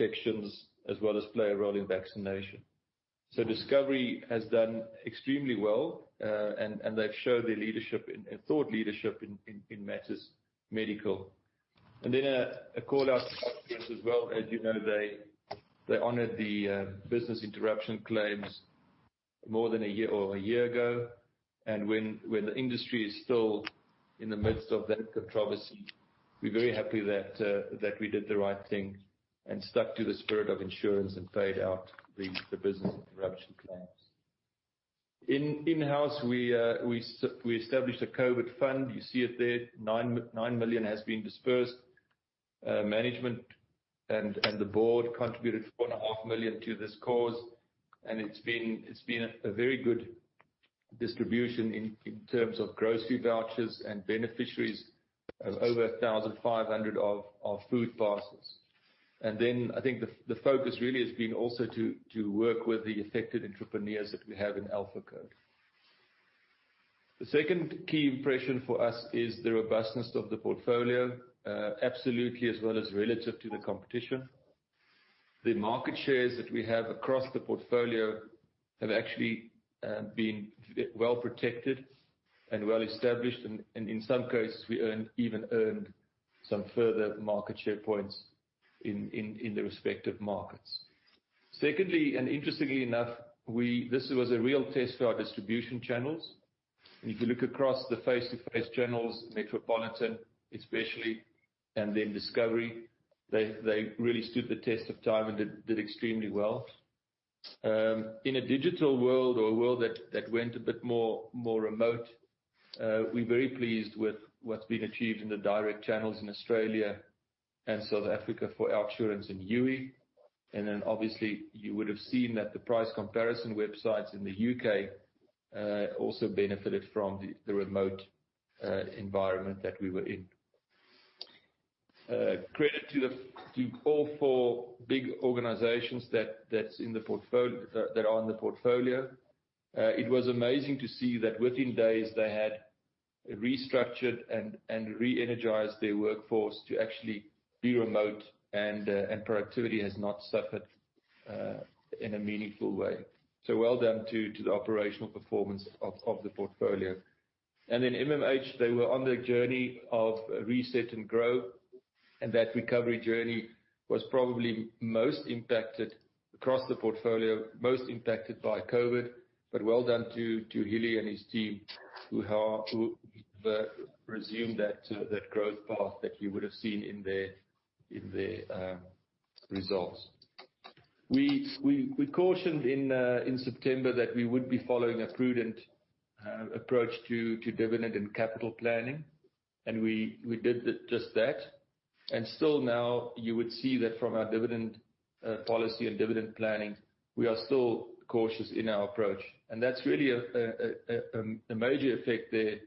Infections, as well as play a role in vaccination. Discovery has done extremely well, and they've showed their thought leadership in matters medical. A call-out to OUTsurance as well. As you know, they honored the business interruption claims more than a year ago. When the industry is still in the midst of that controversy, we're very happy that we did the right thing and stuck to the spirit of insurance and paid out the business interruption claims. In house, we established a COVID fund. You see it there. 9 million has been dispersed. Management and the board contributed four and a half million to this cause, and it's been a very good distribution in terms of grocery vouchers and beneficiaries of over 1,500 of food parcels. I think the focus really has been also to work with the affected entrepreneurs that we have in AlphaCode. The second key impression for us is the robustness of the portfolio, absolutely, as well as relative to the competition. The market shares that we have across the portfolio have actually been well-protected and well-established, and in some cases, we even earned some further market share points in the respective markets. Secondly, interestingly enough, this was a real test for our distribution channels. If you look across the face-to-face channels, Metropolitan especially, and then Discovery, they really stood the test of time and did extremely well. In a digital world or a world that went a bit more remote, we're very pleased with what's been achieved in the direct channels in Australia and South Africa for OUTsurance and Youi. Obviously you would have seen that the price comparison websites in the U.K. also benefited from the remote environment that we were in. Credit to all four big organizations that are in the portfolio. It was amazing to see that within days they had restructured and re-energized their workforce to actually be remote, and productivity has not suffered in a meaningful way. Well done to the operational performance of the portfolio. MMH, they were on their journey of reset and grow, and that recovery journey was probably most impacted across the portfolio, most impacted by COVID. Well done to Hilary and his team who resumed that growth path that you would have seen in their results. We cautioned in September that we would be following a prudent approach to dividend and capital planning, and we did just that. Still now you would see that from our dividend policy and dividend planning, we are still cautious in our approach. That's really a major effect there.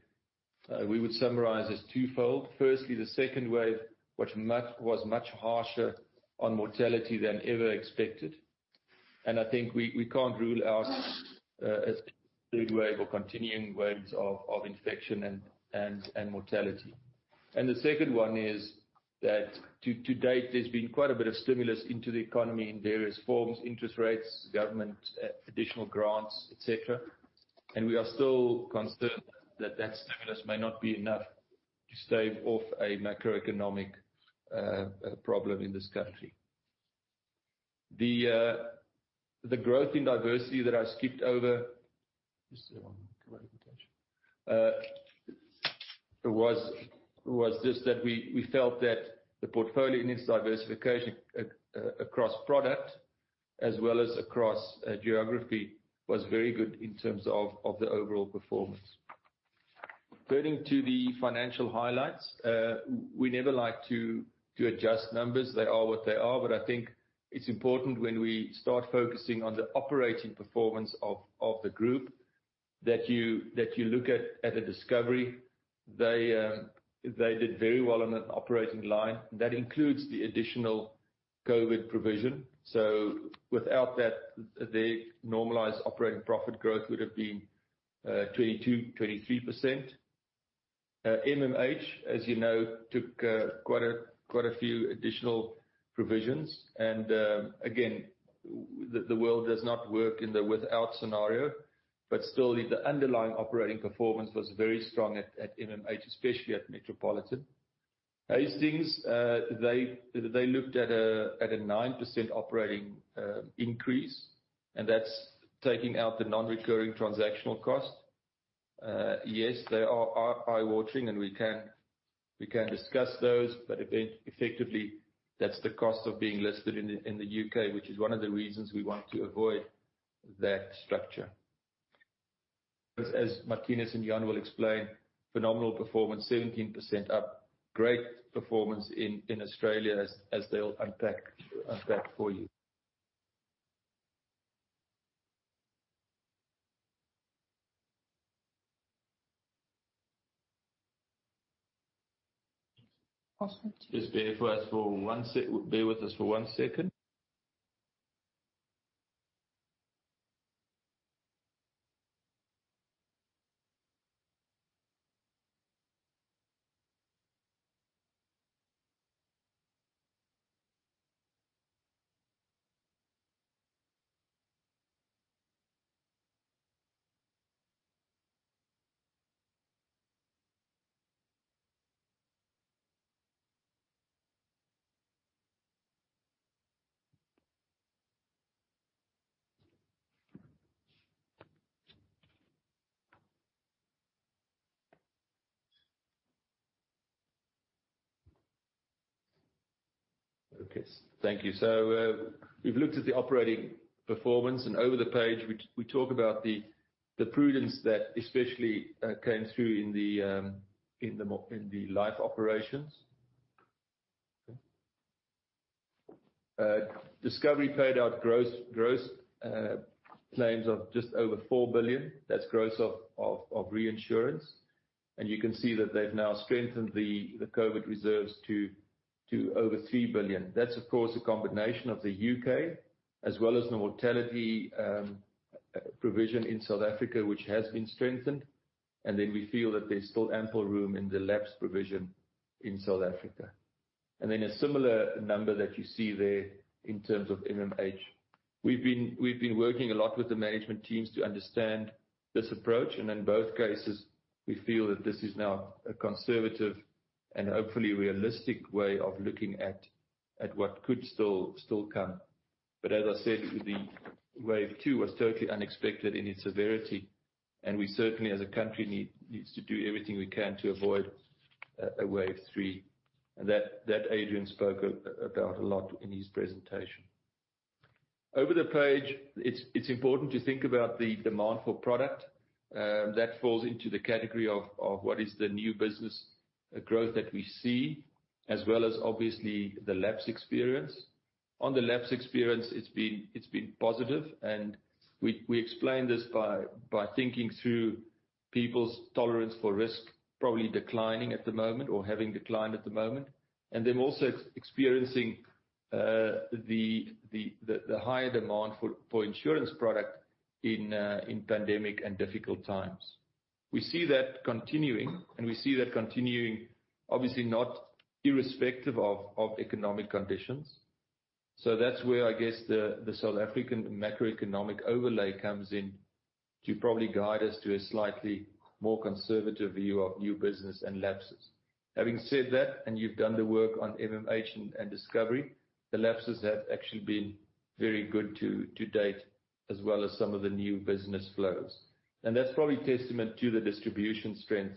We would summarize as twofold. Firstly, the second wave, which was much harsher on mortality than ever expected. I think we can't rule out a third wave or continuing waves of infection and mortality. The second one is that to date, there's been quite a bit of stimulus into the economy in various forms, interest rates, government, additional grants, et cetera. We are still concerned that that stimulus may not be enough to stave off a macroeconomic problem in this country. The growth in diversity that I skipped over was just that we felt that the portfolio, in its diversification across product as well as across geography, was very good in terms of the overall performance. Turning to the financial highlights. We never like to adjust numbers. They are what they are. I think it's important when we start focusing on the operating performance of the group that you look at Discovery. They did very well on an operating line. That includes the additional COVID provision. Without that, their normalized operating profit growth would have been 22%-23%. MMH, as you know, took quite a few additional provisions. Again, the world does not work in the without scenario. Still, the underlying operating performance was very strong at MMH, especially at Metropolitan. Hastings, they looked at a 9% operating increase, and that's taking out the non-recurring transactional cost. They are eye-watering, and we can discuss those. Effectively, that's the cost of being listed in the U.K., which is one of the reasons we want to avoid that structure. As Marthinus and Jan will explain, phenomenal performance, 17% up. Great performance in Australia as they'll unpack for you. Just bear with us for one second. Thank you. We've looked at the operating performance, and over the page, we talk about the prudence that especially came through in the life operations. Discovery paid out gross claims of just over 4 billion. That's gross of reinsurance. You can see that they've now strengthened the COVID reserves to over 3 billion. That's, of course, a combination of the U.K. as well as the mortality provision in South Africa, which has been strengthened. We feel that there's still ample room in the lapse provision in South Africa. A similar number that you see there in terms of MMH. We've been working a lot with the management teams to understand this approach. In both cases, we feel that this is now a conservative and hopefully realistic way of looking at what could still come. As I said, the wave 2 was totally unexpected in its severity, and we certainly, as a country, needs to do everything we can to avoid a wave 3. Adrian spoke about a lot in his presentation. Over the page, it's important to think about the demand for product. That falls into the category of what is the new business growth that we see, as well as obviously the lapse experience. On the lapse experience, it's been positive. We explain this by thinking through people's tolerance for risk probably declining at the moment or having declined at the moment. Also experiencing the higher demand for insurance product in pandemic and difficult times. We see that continuing, we see that continuing, obviously not irrespective of economic conditions. That's where, I guess, the South African macroeconomic overlay comes in to probably guide us to a slightly more conservative view of new business and lapses. Having said that, you've done the work on MMH and Discovery, the lapses have actually been very good to date, as well as some of the new business flows. That's probably testament to the distribution strength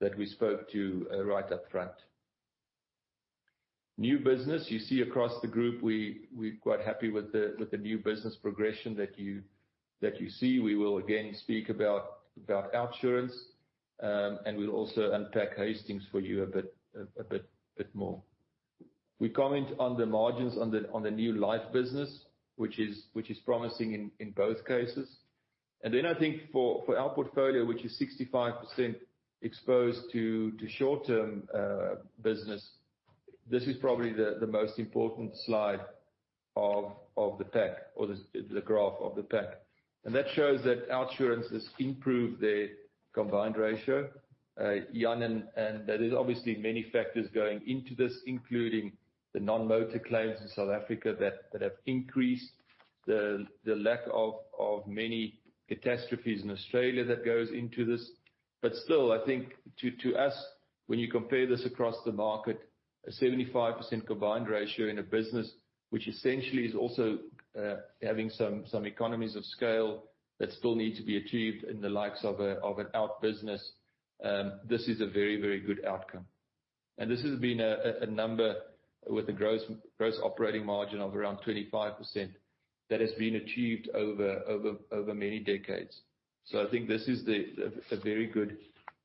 that we spoke to right up front. New business. You see across the group, we're quite happy with the new business progression that you see. We will again speak about OUTsurance, and we'll also unpack Hastings for you a bit more. We comment on the margins on the new life business, which is promising in both cases. I think for our portfolio, which is 65% exposed to short-term business, this is probably the most important slide of the pack or the graph of the pack. That shows that OUTsurance has improved their combined ratio. Jan, there is obviously many factors going into this, including the non-motor claims in South Africa that have increased, the lack of many catastrophes in Australia that goes into this. Still, I think to us, when you compare this across the market, a 75% combined ratio in a business, which essentially is also having some economies of scale that still need to be achieved in the likes of an OUTsurance Business, this is a very good outcome. This has been a number with a gross operating margin of around 25% that has been achieved over many decades. I think this is a very good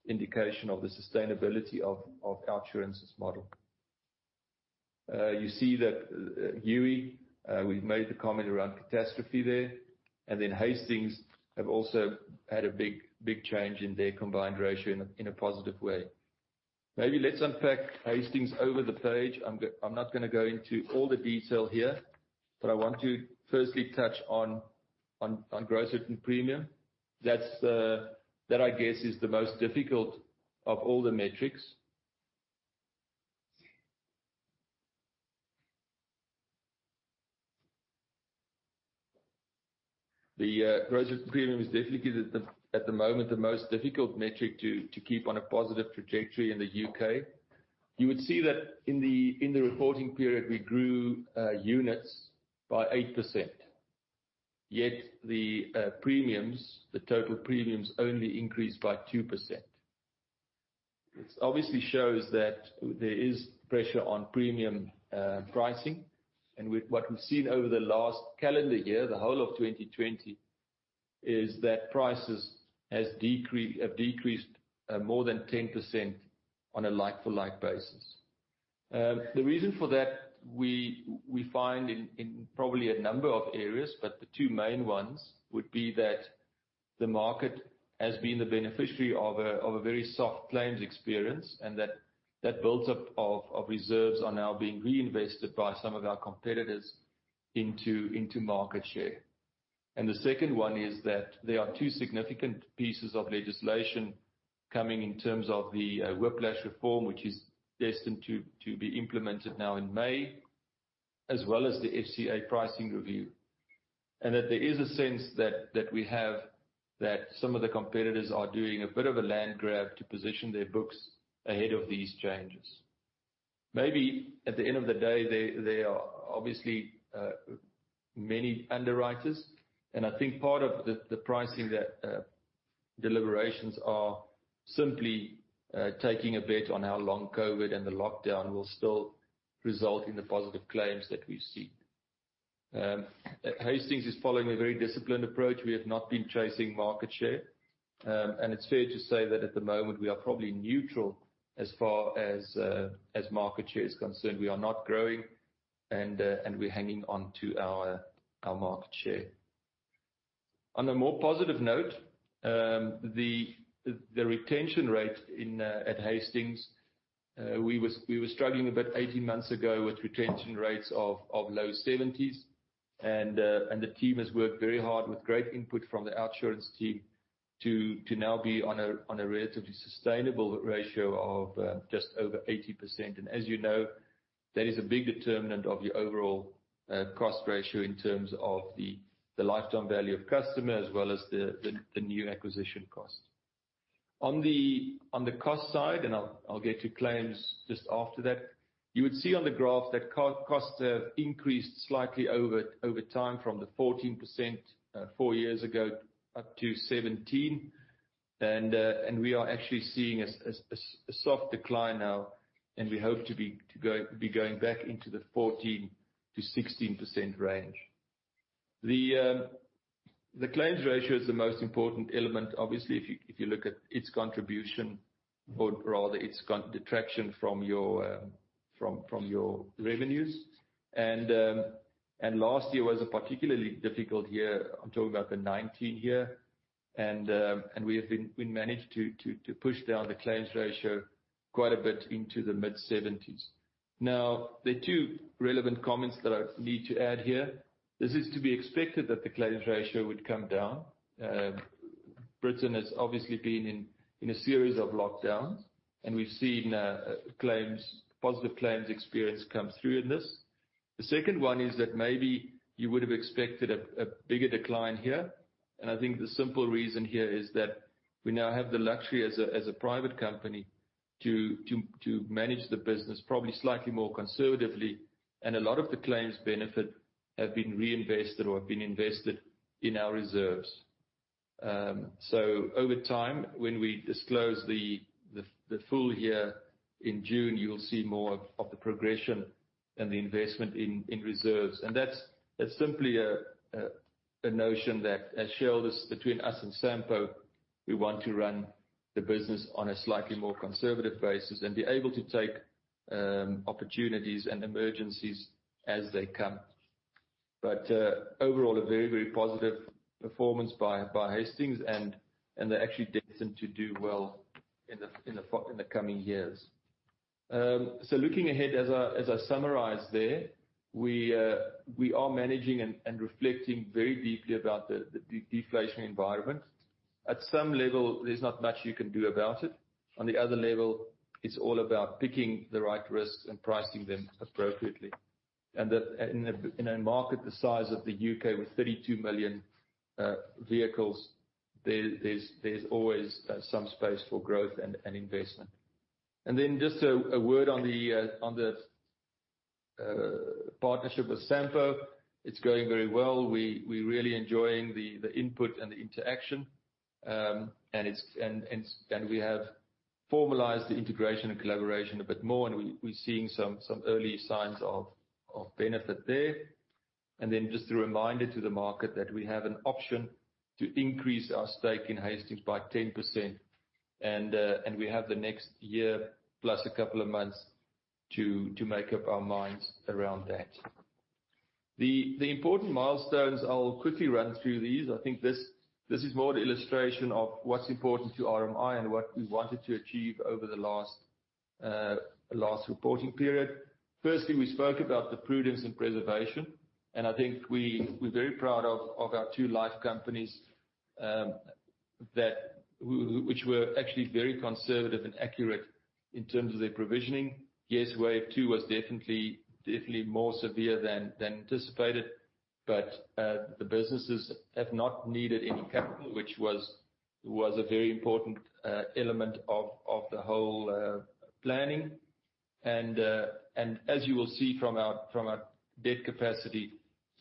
indication of the sustainability of OUTsurance' model. You see that Youi, we've made the comment around catastrophe there, Hastings have also had a big change in their combined ratio in a positive way. Let's unpack Hastings over the page. I'm not going to go into all the detail here, but I want to firstly touch on gross written premium. That, I guess, is the most difficult of all the metrics. The gross written premium is definitely at the moment the most difficult metric to keep on a positive trajectory in the U.K. You would see that in the reporting period, we grew units by 8%. Yet the total premiums only increased by 2%. It obviously shows that there is pressure on premium pricing, what we've seen over the last calendar year, the whole of 2020, is that prices have decreased more than 10% on a like-for-like basis. The reason for that, we find in probably a number of areas, but the two main ones would be that the market has been the beneficiary of a very soft claims experience, that build-up of reserves are now being reinvested by some of our competitors into market share. The second one is that there are two significant pieces of legislation coming in terms of the whiplash reform, which is destined to be implemented now in May, as well as the FCA pricing review. That there is a sense that we have that some of the competitors are doing a bit of a land grab to position their books ahead of these changes. At the end of the day, there are obviously many underwriters, I think part of the pricing deliberations are simply taking a bet on how long COVID and the lockdown will still result in the positive claims that we've seen. Hastings is following a very disciplined approach. We have not been chasing market share. It's fair to say that at the moment we are probably neutral as far as market share is concerned. We are not growing, and we're hanging on to our market share. On a more positive note, the retention rate at Hastings, we were struggling a bit 18 months ago with retention rates of low 70s. The team has worked very hard with great input from the OUTsurance team to now be on a relatively sustainable ratio of just over 80%. As you know, that is a big determinant of your overall cost ratio in terms of the lifetime value of customer as well as the new acquisition cost. On the cost side, I'll get to claims just after that. You would see on the graph that costs have increased slightly over time from the 14% four years ago up to 17%. We are actually seeing a soft decline now, and we hope to be going back into the 14%-16% range. The claims ratio is the most important element, obviously, if you look at its contribution or rather its detraction from your revenues. Last year was a particularly difficult year. I'm talking about the 2019 year. We managed to push down the claims ratio quite a bit into the mid-70s%. The two relevant comments that I need to add here. This is to be expected that the claims ratio would come down. Britain has obviously been in a series of lockdowns, and we've seen positive claims experience come through in this. The second one is that maybe you would have expected a bigger decline here. I think the simple reason here is that we now have the luxury as a private company to manage the business probably slightly more conservatively, and a lot of the claims benefit have been reinvested or have been invested in our reserves. Over time, when we disclose the full year in June, you will see more of the progression and the investment in reserves. That's simply a notion that as shareholders between us and Sampo, we want to run the business on a slightly more conservative basis and be able to take opportunities and emergencies as they come. Overall, a very, very positive performance by Hastings, and they're actually destined to do well in the coming years. Looking ahead, as I summarized there, we are managing and reflecting very deeply about the deflation environment. At some level, there's not much you can do about it. On the other level, it's all about picking the right risks and pricing them appropriately. In a market the size of the U.K. with 32 million vehicles, there's always some space for growth and investment. Just a word on the partnership with Sampo. It's going very well. We really enjoying the input and the interaction. We have formalized the integration and collaboration a bit more, and we're seeing some early signs of benefit there. Just a reminder to the market that we have an option to increase our stake in Hastings by 10%. We have the next year plus a couple of months to make up our minds around that. The important milestones, I'll quickly run through these. I think this is more the illustration of what's important to RMI and what we wanted to achieve over the last reporting period. Firstly, we spoke about the prudence and preservation, and I think we're very proud of our two life companies which were actually very conservative and accurate in terms of their provisioning. Yes, wave two was definitely more severe than anticipated, but the businesses have not needed any capital, which was a very important element of the whole planning. As you will see from our debt capacity,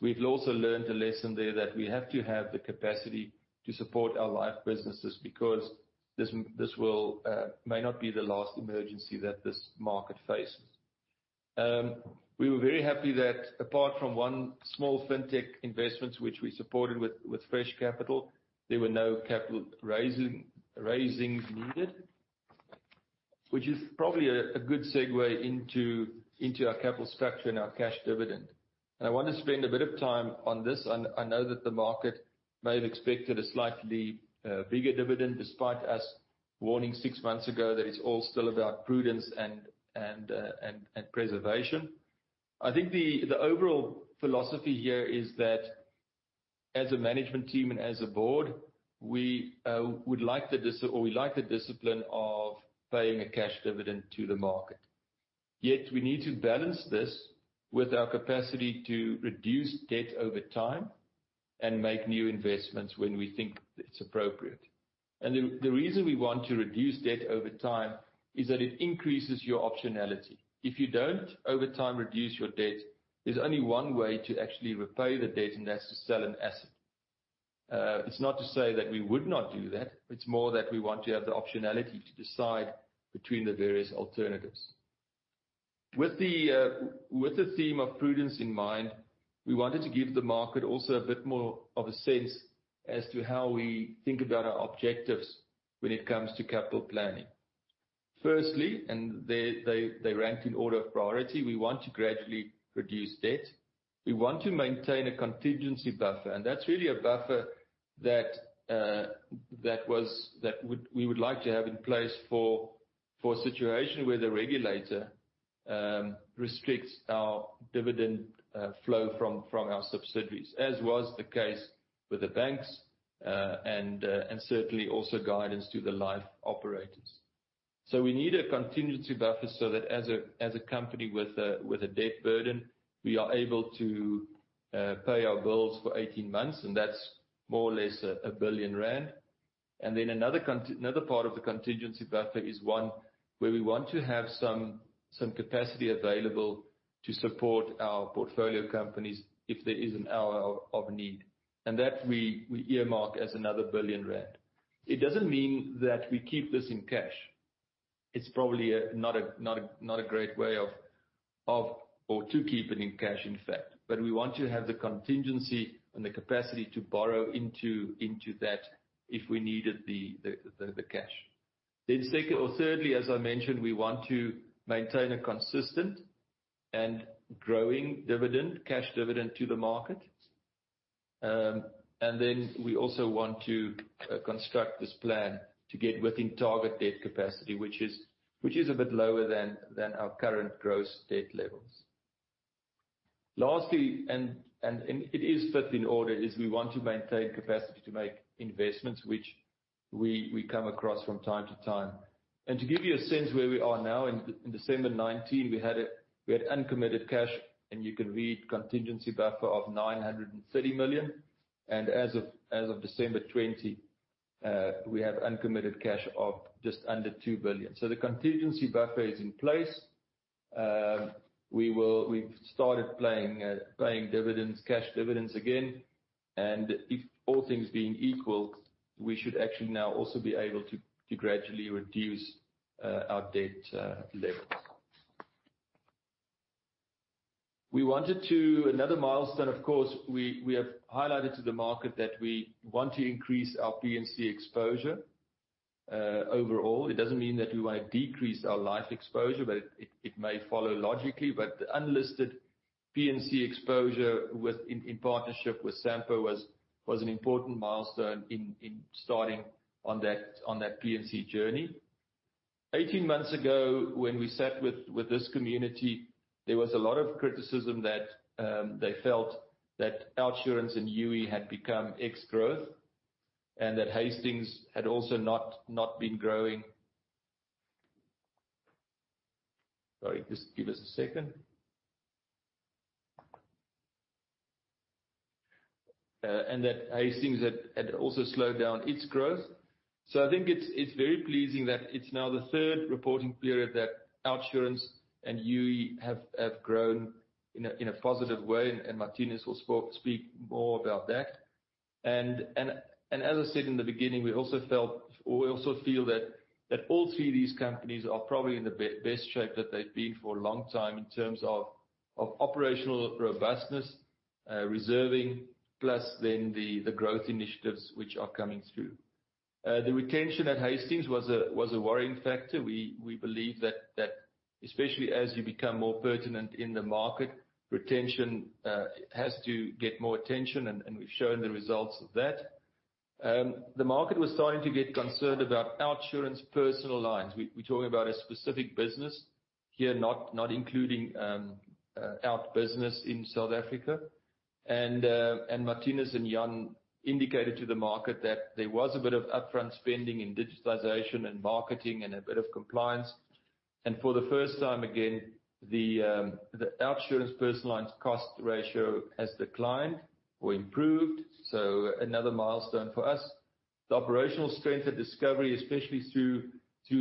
we've also learned a lesson there that we have to have the capacity to support our life businesses because this may not be the last emergency that this market faces. We were very happy that apart from one small fintech investment, which we supported with fresh capital, there were no capital raisings needed. This is probably a good segue into our capital structure and our cash dividend. I want to spend a bit of time on this. I know that the market may have expected a slightly bigger dividend despite us warning six months ago that it's all still about prudence and preservation. I think the overall philosophy here is that as a management team and as a board, we like the discipline of paying a cash dividend to the market. Yet we need to balance this with our capacity to reduce debt over time and make new investments when we think it's appropriate. The reason we want to reduce debt over time is that it increases your optionality. If you don't, over time, reduce your debt, there's only one way to actually repay the debt, and that's to sell an asset. It's not to say that we would not do that. It's more that we want to have the optionality to decide between the various alternatives. With the theme of prudence in mind, we wanted to give the market also a bit more of a sense as to how we think about our objectives when it comes to capital planning. Firstly, and they rank in order of priority, we want to gradually reduce debt. We want to maintain a contingency buffer. That's really a buffer that we would like to have in place for a situation where the regulator restricts our dividend flow from our subsidiaries, as was the case with the banks, and certainly also guidance to the life operators. We need a contingency buffer so that as a company with a debt burden, we are able to pay our bills for 18 months, and that's more or less 1 billion rand. Another part of the contingency buffer is one where we want to have some capacity available to support our portfolio companies if there is an hour of need. That we earmark as another 1 billion rand. It doesn't mean that we keep this in cash. It's probably not a great way of, or to keep it in cash, in fact. We want to have the contingency and the capacity to borrow into that if we needed the cash. Thirdly, as I mentioned, we want to maintain a consistent and growing cash dividend to the market. We also want to construct this plan to get within target debt capacity, which is a bit lower than our current gross debt levels. Lastly, and it is fifth in order, is we want to maintain capacity to make investments, which we come across from time to time. To give you a sense where we are now, in December 2019, we had uncommitted cash, and you can read contingency buffer of 930 million. As of December 2020, we have uncommitted cash of just under 2 billion. The contingency buffer is in place. We've started paying cash dividends again. If all things being equal, we should actually now also be able to gradually reduce our debt levels. Another milestone, of course, we have highlighted to the market that we want to increase our P&C exposure. Overall, it doesn't mean that we won't decrease our life exposure, but it may follow logically, but the unlisted P&C exposure in partnership with Sanlam was an important milestone in starting on that P&C journey. 18 months ago, when we sat with this community, there was a lot of criticism that they felt that OUTsurance and Youi had become ex-growth and that Hastings had also not been growing. Sorry, just give us a second. That Hastings had also slowed down its growth. I think it's very pleasing that it's now the third reporting period that OUTsurance and Youi have grown in a positive way, and Marthinus will speak more about that. As I said in the beginning, we also feel that all three of these companies are probably in the best shape that they've been for a long time in terms of operational robustness, reserving, plus then the growth initiatives which are coming through. The retention at Hastings was a worrying factor. We believe that especially as you become more pertinent in the market, retention has to get more attention, and we've shown the results of that. The market was starting to get concerned about OUTsurance personal lines. We're talking about a specific business here, not including OUTsurance Business in South Africa. Marthinus and Jan indicated to the market that there was a bit of upfront spending in digitization and marketing and a bit of compliance. For the first time, again, the OUTsurance personal lines cost ratio has declined or improved. Another milestone for us. The operational strength at Discovery, especially through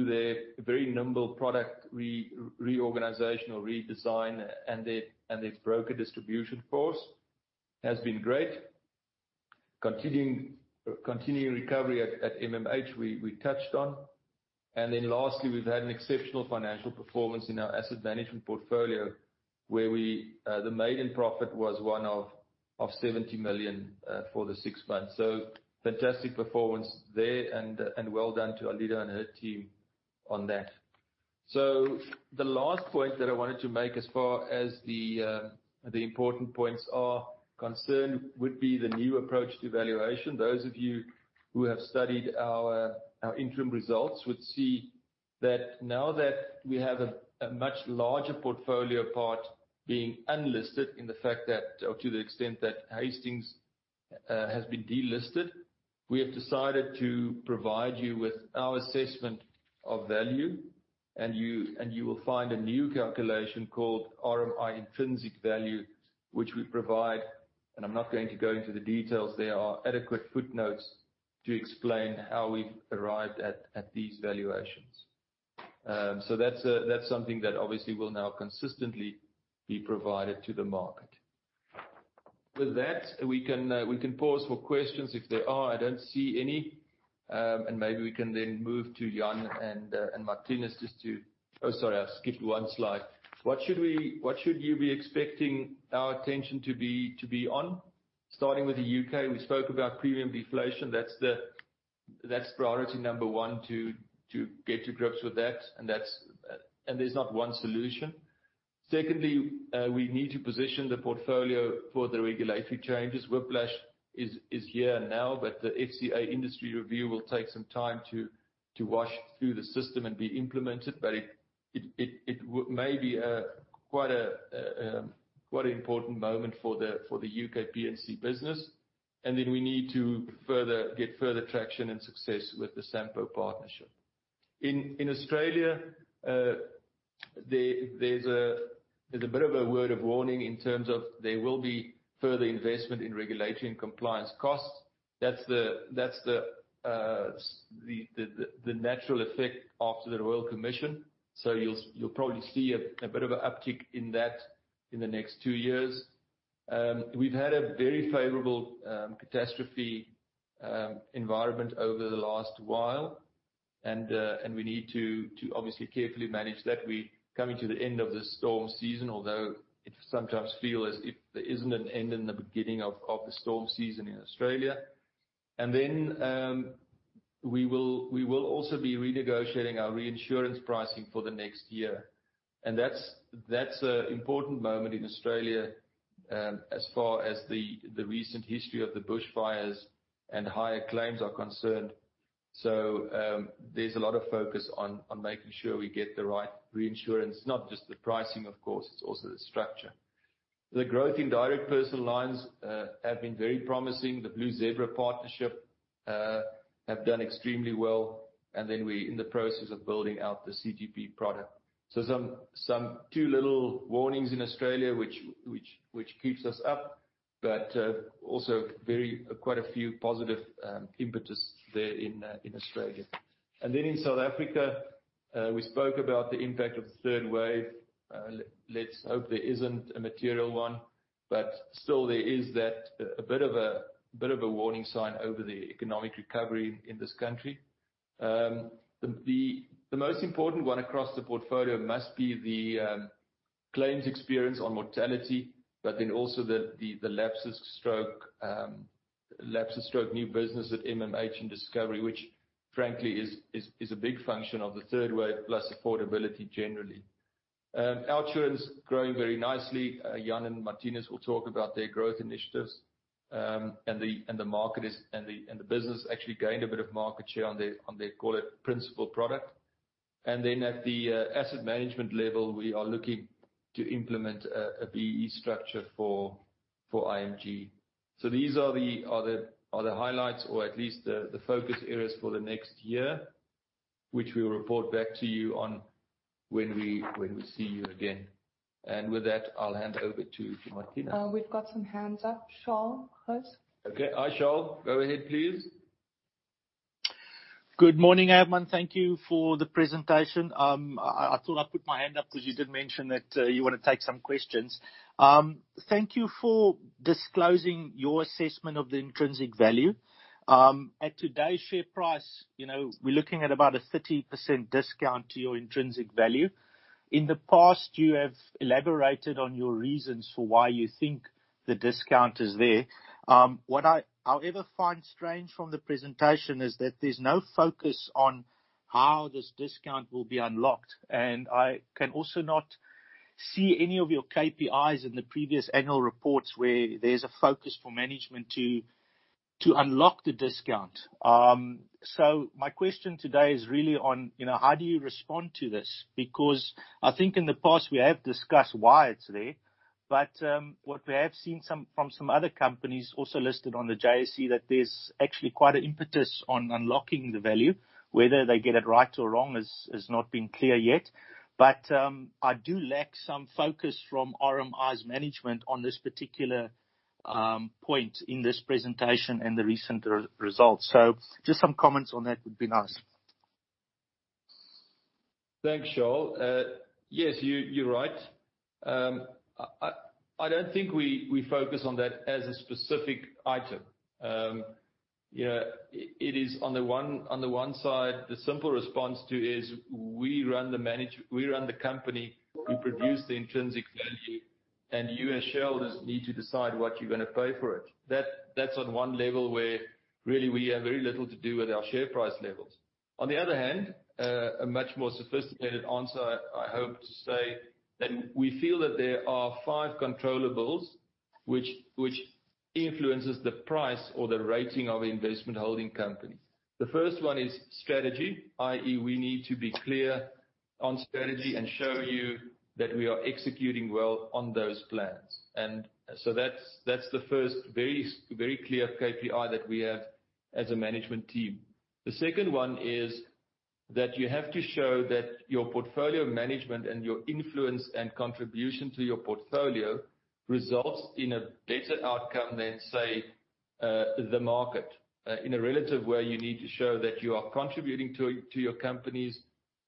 their very nimble product reorganization or redesign and their broker distribution force, has been great. Continuing recovery at MMH, we touched on. Then lastly, we've had an exceptional financial performance in our asset management portfolio, where the maiden profit was one of 70 million for the 6 months. Fantastic performance there, and well done to Alida and her team on that. The last point that I wanted to make as far as the important points are concerned would be the new approach to valuation. Those of you who have studied our interim results would see that now that we have a much larger portfolio part being unlisted in the fact that or to the extent that Hastings has been delisted. We have decided to provide you with our assessment of value. You will find a new calculation called RMI intrinsic value, which we provide. I'm not going to go into the details. There are adequate footnotes to explain how we've arrived at these valuations. That's something that obviously will now consistently be provided to the market. With that, we can pause for questions if there are. I don't see any. Maybe we can then move to Jan and Marthinus just to Oh, sorry, I skipped one slide. What should you be expecting our attention to be on? Starting with the U.K., we spoke about premium deflation. That's priority number one, to get to grips with that, and there's not one solution. Secondly, we need to position the portfolio for the regulatory changes. Whiplash is here now, but the FCA pricing review will take some time to wash through the system and be implemented. It may be quite an important moment for the U.K. P&C business. We need to get further traction and success with the Sampo partnership. In Australia, there's a bit of a word of warning in terms of there will be further investment in regulatory and compliance costs. That's the natural effect after the Royal Commission. You'll probably see a bit of an uptick in that in the next two years. We've had a very favorable catastrophe environment over the last while. We need to obviously carefully manage that. We are coming to the end of the storm season, although it sometimes feels as if there isn't an end and a beginning of the storm season in Australia. We will also be renegotiating our reinsurance pricing for the next year. That's important moment in Australia, as far as the recent history of the bushfires and higher claims are concerned. There's a lot of focus on making sure we get the right reinsurance, not just the pricing, of course, it's also the structure. The growth in direct personal lines has been very promising. The Blue Zebra partnership has done extremely well. We are in the process of building out the CTP product. Some two little warnings in Australia which keeps us up. Also quite a few positive impetus there in Australia. In South Africa, we spoke about the impact of the third wave. Let's hope there isn't a material one. Still there is that a bit of a warning sign over the economic recovery in this country. The most important one across the portfolio must be the claims experience on mortality. Also the lapses stroke new business at MMH and Discovery, which frankly is a big function of the third wave, plus affordability generally. OUTsurance is growing very nicely. Jan and Marthinus will talk about their growth initiatives. The business actually gained a bit of market share on their, call it, principal product. At the asset management level, we are looking to implement a BEE structure for IMG. These are the highlights or at least the focus areas for the next year, which we will report back to you on when we see you again. With that, I'll hand over to Marthinus. We've got some hands up. Charles? Okay. Hi, Charles. Go ahead please. Good morning, Edmund. Thank you for the presentation. I thought I'd put my hand up because you did mention that you want to take some questions. Thank you for disclosing your assessment of the intrinsic value. At today's share price, we're looking at about a 30% discount to your intrinsic value. In the past, you have elaborated on your reasons for why you think the discount is there. What I however find strange from the presentation is that there's no focus on how this discount will be unlocked. I can also not see any of your KPIs in the previous annual reports where there's a focus for management to unlock the discount. My question today is really on, how do you respond to this? I think in the past we have discussed why it's there. What we have seen from some other companies also listed on the JSE, that there's actually quite an impetus on unlocking the value. Whether they get it right or wrong is not been clear yet. I do lack some focus from RMI's management on this particular point in this presentation and the recent results. Just some comments on that would be nice. Thanks, Charles. Yes, you're right. I don't think we focus on that as a specific item. It is on the one side, the simple response to is we run the company, we produce the intrinsic value, and you as shareholders need to decide what you're going to pay for it. That's on one level where really we have very little to do with our share price levels. On the other hand, a much more sophisticated answer I hope to say, that we feel that there are five controllables, which influences the price or the rating of investment holding company. The first one is strategy, i.e., we need to be clear on strategy and show you that we are executing well on those plans. That's the first, very clear KPI that we have as a management team. The second one is that you have to show that your portfolio management and your influence and contribution to your portfolio results in a better outcome than, say, the market. In a relative way, you need to show that you are contributing to your companies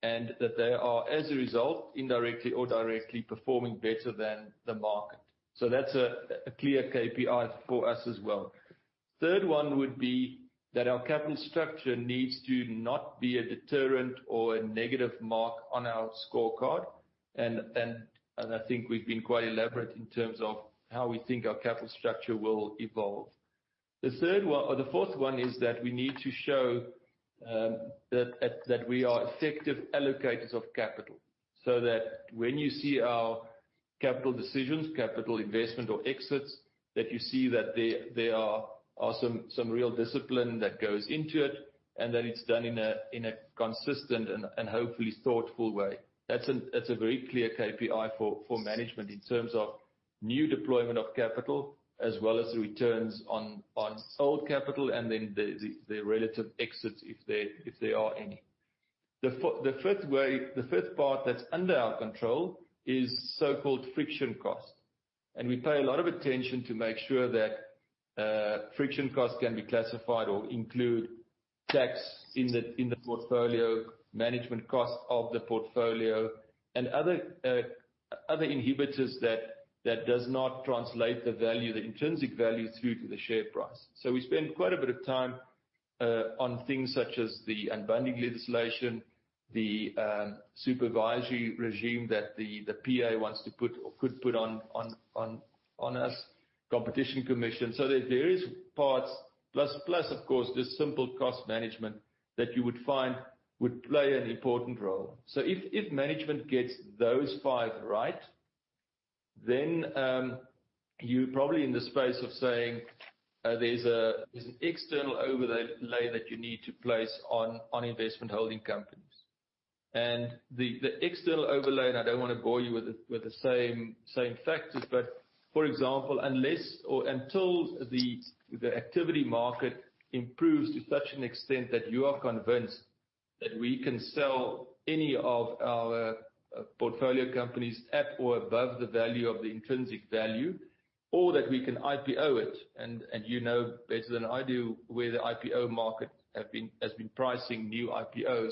and that they are, as a result, indirectly or directly performing better than the market. That's a clear KPI for us as well. Third one would be that our capital structure needs to not be a deterrent or a negative mark on our scorecard. I think we've been quite elaborate in terms of how we think our capital structure will evolve. The fourth one is that we need to show that we are effective allocators of capital. When you see our capital decisions, capital investment or exits, you see that there are some real discipline that goes into it, and that it's done in a consistent and hopefully thoughtful way. That's a very clear KPI for management in terms of new deployment of capital as well as the returns on old capital and then the relative exits if there are any. The fifth part that's under our control is so-called friction cost. We pay a lot of attention to make sure that friction cost can be classified or include tax in the portfolio, management cost of the portfolio, and other inhibitors that does not translate the intrinsic value through to the share price. We spend quite a bit of time on things such as the unbundling legislation, the supervisory regime that the Prudential Authority wants to put or could put on us, Competition Commission. There's various parts, plus of course, just simple cost management that you would find would play an important role. If management gets those five right, then you're probably in the space of saying, there's an external overlay that you need to place on investment holding companies. The external overlay, I don't want to bore you with the same factors, but for example, unless or until the activity market improves to such an extent that you are convinced that we can sell any of our portfolio companies at or above the value of the intrinsic value, or that we can IPO it, and you know better than I do where the IPO market has been pricing new IPOs.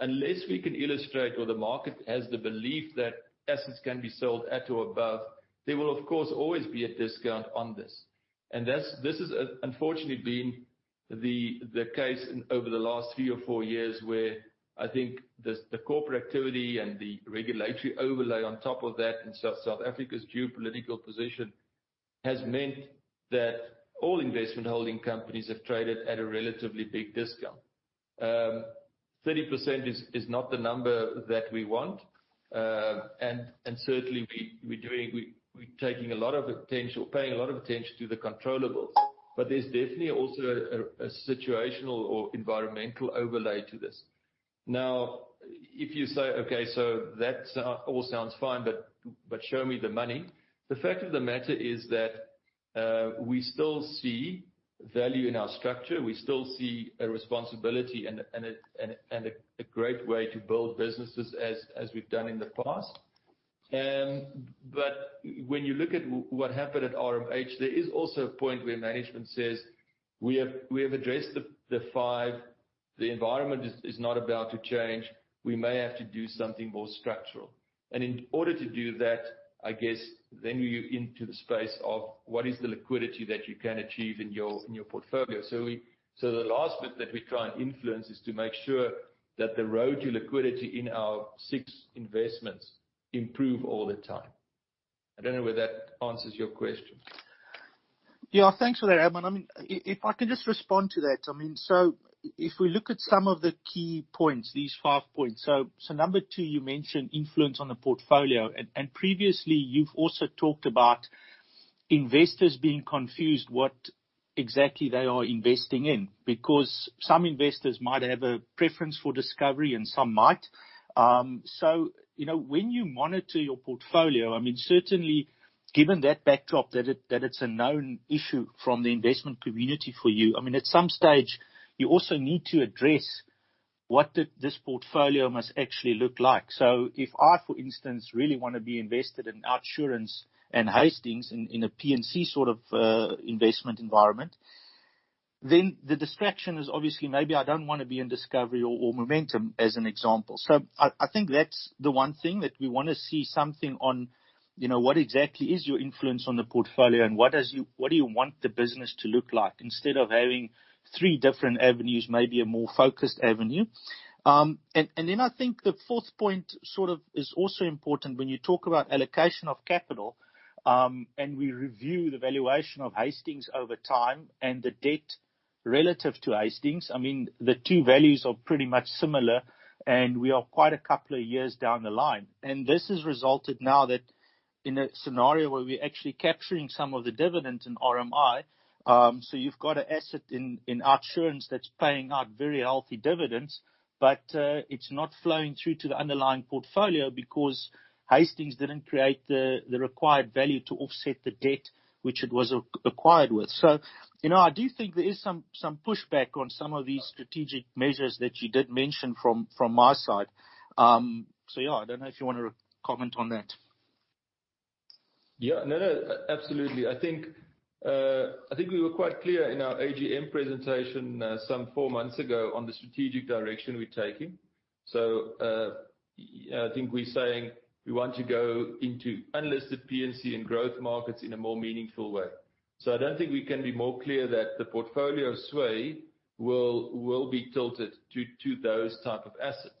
Unless we can illustrate or the market has the belief that assets can be sold at or above, there will of course, always be a discount on this. This has, unfortunately, been the case over the last three or four years where I think the corporate activity and the regulatory overlay on top of that, and South Africa's geopolitical position, has meant that all investment holding companies have traded at a relatively big discount. Certainly, 30% is not the number that we want. We're taking a lot of potential, paying a lot of attention to the controllables, but there's definitely also a situational or environmental overlay to this. If you say, "Okay, so that all sounds fine, but show me the money." The fact of the matter is that we still see value in our structure. We still see a responsibility and a great way to build businesses as we've done in the past. When you look at what happened at RMH, there is also a point where management says, "We have addressed the five. The environment is not about to change. We may have to do something more structural." In order to do that, I guess then you're into the space of what is the liquidity that you can achieve in your portfolio. The last bit that we try and influence is to make sure that the road to liquidity in our six investments improve all the time. I don't know whether that answers your question. Thanks for that, Herman. If I can just respond to that. If we look at some of the key points, these five points. Number 2, you mentioned influence on the portfolio, previously you've also talked about investors being confused what exactly they are investing in. Some investors might have a preference for Discovery and some might. When you monitor your portfolio, certainly, given that backdrop that it's a known issue from the investment community for you. At some stage you also need to address what this portfolio must actually look like. If I, for instance, really want to be invested in OUTsurance and Hastings in a P&C sort of investment environment, then the distraction is obviously maybe I don't want to be in Discovery or Momentum, as an example. I think that's the one thing that we want to see something on, what exactly is your influence on the portfolio and what do you want the business to look like? Instead of having three different avenues, maybe a more focused avenue. I think the fourth point sort of is also important when you talk about allocation of capital. We review the valuation of Hastings over time and the debt relative to Hastings. The two values are pretty much similar, we are quite a couple of years down the line. This has resulted now in a scenario where we're actually capturing some of the dividend in RMI. You've got an asset in OUTsurance that's paying out very healthy dividends, but it's not flowing through to the underlying portfolio because Hastings didn't create the required value to offset the debt which it was acquired with. I do think there is some pushback on some of these strategic measures that you did mention from my side. I don't know if you want to comment on that. Yeah. No, absolutely. I think we were quite clear in our AGM presentation some four months ago on the strategic direction we're taking. I think we're saying we want to go into unlisted P&C and growth markets in a more meaningful way. I don't think we can be more clear that the portfolio sway will be tilted to those type of assets.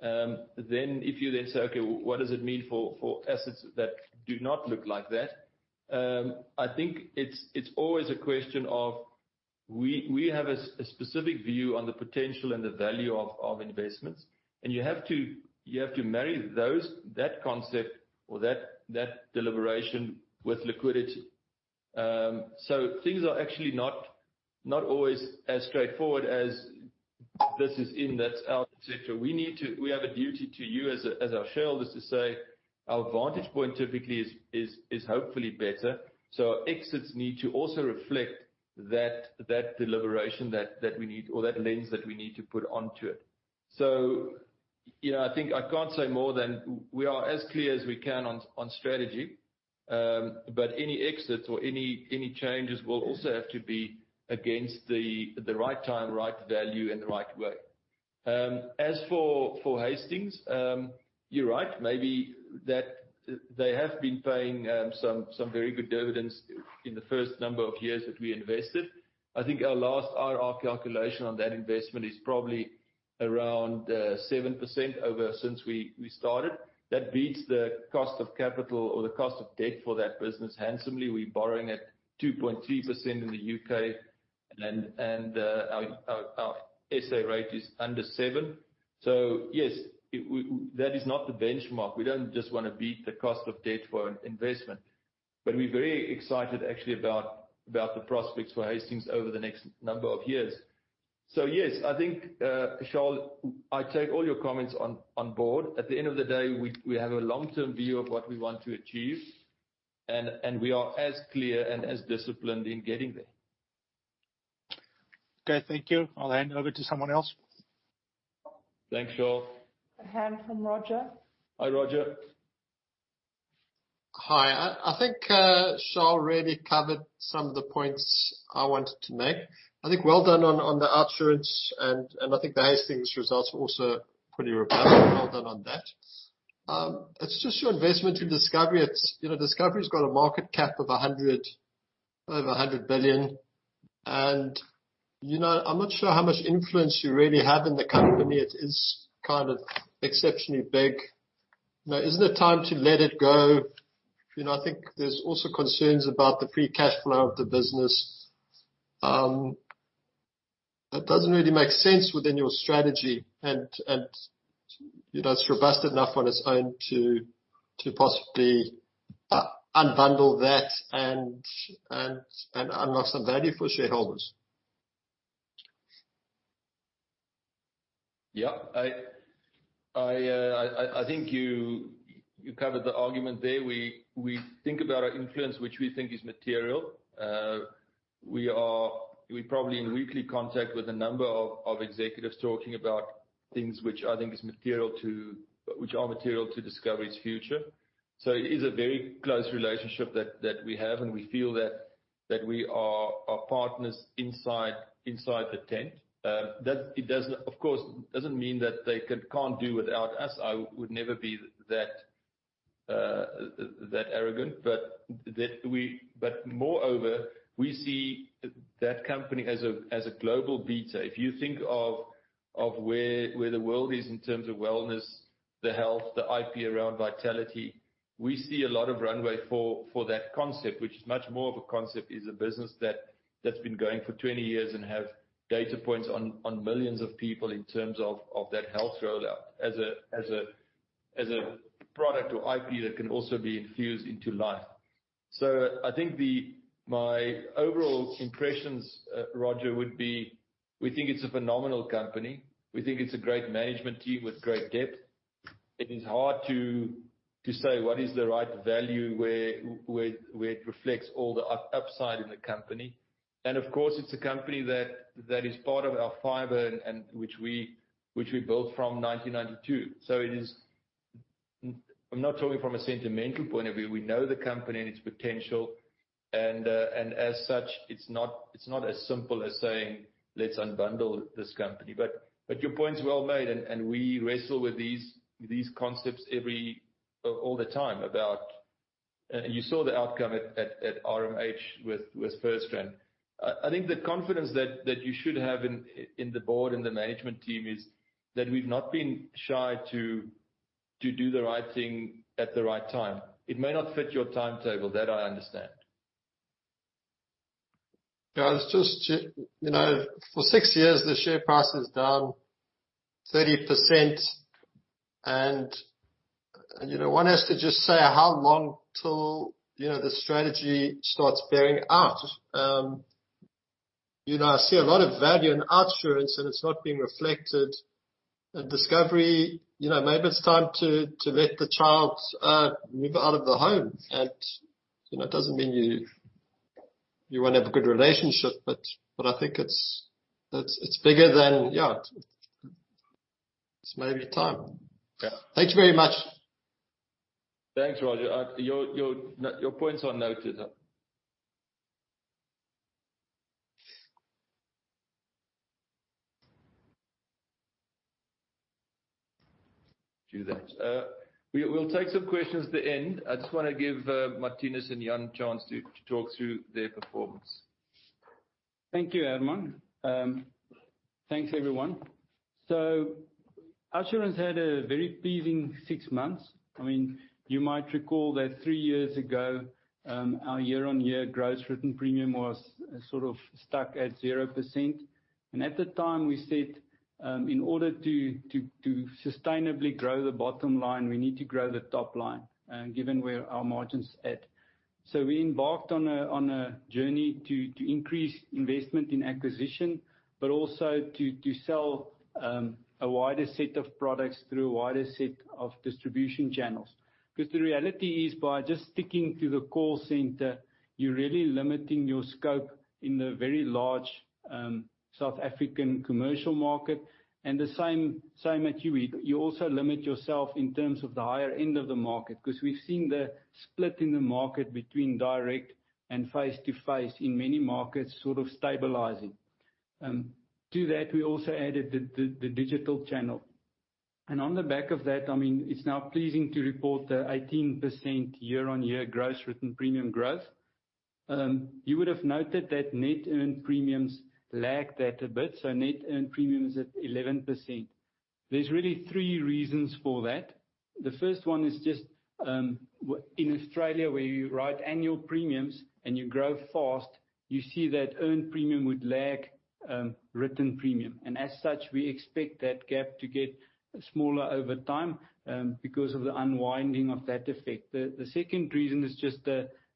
If you then say, okay, what does it mean for assets that do not look like that? I think it's always a question of, we have a specific view on the potential and the value of investments, and you have to marry that concept or that deliberation with liquidity. Things are actually not always as straightforward as this is in, that's out, et cetera. We have a duty to you as our shareholders to say our vantage point typically is hopefully better. Our exits need to also reflect that deliberation that we need or that lens that we need to put onto it. I think I can't say more than we are as clear as we can on strategy. Any exits or any changes will also have to be against the right time, right value, and the right way. As for Hastings, you're right. Maybe they have been paying some very good dividends in the first number of years that we invested. I think our last IRR calculation on that investment is probably around 7% since we started. That beats the cost of capital or the cost of debt for that business handsomely. We're borrowing at 2.3% in the U.K. and our SA rate is under seven. Yes, that is not the benchmark. We don't just want to beat the cost of debt for an investment. We're very excited actually about the prospects for Hastings over the next number of years. I think, Charles, I take all your comments on board. At the end of the day, we have a long-term view of what we want to achieve, and we are as clear and as disciplined in getting there. Okay. Thank you. I'll hand over to someone else. Thanks, Charles. A hand from Roger. Hi, Roger. Hi. I think Charles really covered some of the points I wanted to make. I think well done on the OUTsurance, and I think the Hastings results were also pretty remarkable. Well done on that. It's just your investment through Discovery. Discovery's got a market cap of over 100 billion, and I'm not sure how much influence you really have in the company. It is kind of exceptionally big. Isn't it time to let it go? There's also concerns about the free cash flow of the business. It doesn't really make sense within your strategy. It's robust enough on its own to possibly unbundle that and unlock some value for shareholders. Yeah. I think you covered the argument there. We think about our influence, which we think is material. We're probably in weekly contact with a number of executives talking about things which I think is material to Discovery's future. It is a very close relationship that we have, and we feel that we are partners inside the tent. Of course, it doesn't mean that they can't do without us. I would never be that arrogant. Moreover, we see that company as a global beta. If you think of where the world is in terms of wellness, the health, the IP around Vitality, we see a lot of runway for that concept, which is much more of a concept, is a business that's been going for 20 years and have data points on millions of people in terms of that health rollout as a product or IP that can also be infused into life. I think my overall impressions, Roger, would be, we think it's a phenomenal company. We think it's a great management team with great depth. It is hard to say what is the right value where it reflects all the upside in the company. Of course, it's a company that is part of our fiber and which we built from 1992. I'm not talking from a sentimental point of view. We know the company and its potential. As such, it's not as simple as saying, "Let's unbundle this company." Your point's well made, and we wrestle with these concepts all the time about You saw the outcome at RMH with FirstRand. I think the confidence that you should have in the board and the management team is that we've not been shy to do the right thing at the right time. It may not fit your timetable. That I understand. Yeah. For 6 years, the share price is down 30%. One has to just say, how long till the strategy starts bearing out? I see a lot of value in OUTsurance. It's not being reflected at Discovery. Maybe it's time to let the child move out of the home. It doesn't mean you won't have a good relationship. I think it's bigger than, yeah, it's maybe time. Yeah. Thank you very much. Thanks, Roger. Your points are noted. Do that. We'll take some questions at the end. I just want to give Marthinus and Jan a chance to talk through their performance. Thank you, Herman. Thanks, everyone. OUTsurance had a very pleasing 6 months. You might recall that 3 years ago, our year-on-year gross written premium was sort of stuck at 0%. At the time, we said, in order to sustainably grow the bottom line, we need to grow the top line, given where our margin's at. We embarked on a journey to increase investment in acquisition, but also to sell a wider set of products through a wider set of distribution channels. The reality is, by just sticking to the call center, you're really limiting your scope in the very large South African commercial market. The same at Youi. You also limit yourself in terms of the higher end of the market. We've seen the split in the market between direct and face-to-face in many markets sort of stabilizing. To that, we also added the digital channel. On the back of that, it's now pleasing to report the 18% year-on-year gross written premium growth. You would have noted that net earned premiums lagged that a bit. Net earned premium is at 11%. There's really three reasons for that. The first one is just, in Australia, where you write annual premiums and you grow fast, you see that earned premium would lag written premium. As such, we expect that gap to get smaller over time because of the unwinding of that effect. The second reason is just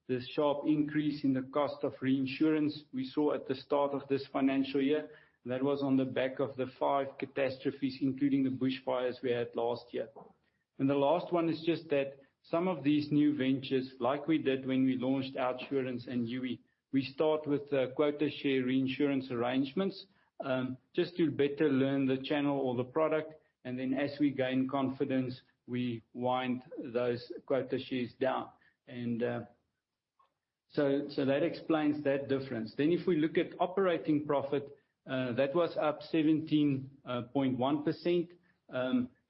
the sharp increase in the cost of reinsurance we saw at the start of this financial year. That was on the back of the five catastrophes, including the bushfires we had last year. The last one is just that some of these new ventures, like we did when we launched OUTsurance and Youi. We start with quota share reinsurance arrangements, just to better learn the channel or the product. Then as we gain confidence, we wind those quota shares down. That explains that difference. If we look at operating profit, that was up 17.1%.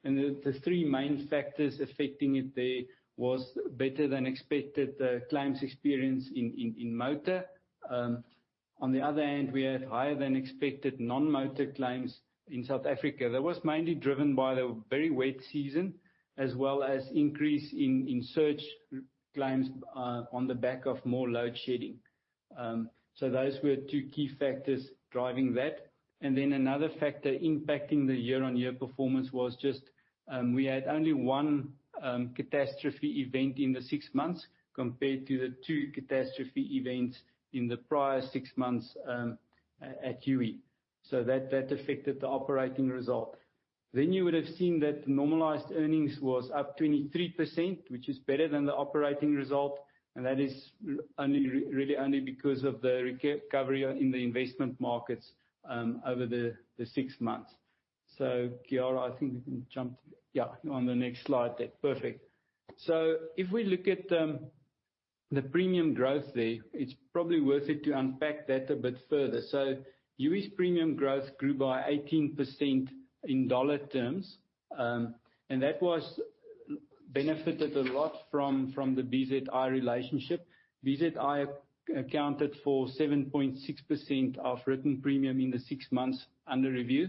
The three main factors affecting it there was better than expected claims experience in motor. On the other hand, we had higher than expected non-motor claims in South Africa. That was mainly driven by the very wet season, as well as increase in surge claims on the back of more load shedding. Those were two key factors driving that. Another factor impacting the year-on-year performance was just, we had only one catastrophe event in the six months compared to the two catastrophe events in the prior six months at Youi. That affected the operating result. You would have seen that normalized earnings was up 23%, which is better than the operating result, and that is really only because of the recovery in the investment markets over the six months. Chiara, I think we can jump to Yeah, on the next slide there. Perfect. If we look at the premium growth there, it's probably worth it to unpack that a bit further. Youi's premium growth grew by 18% in dollar terms. That benefited a lot from the BZI relationship. BZI accounted for 7.6% of written premium in the six months under review.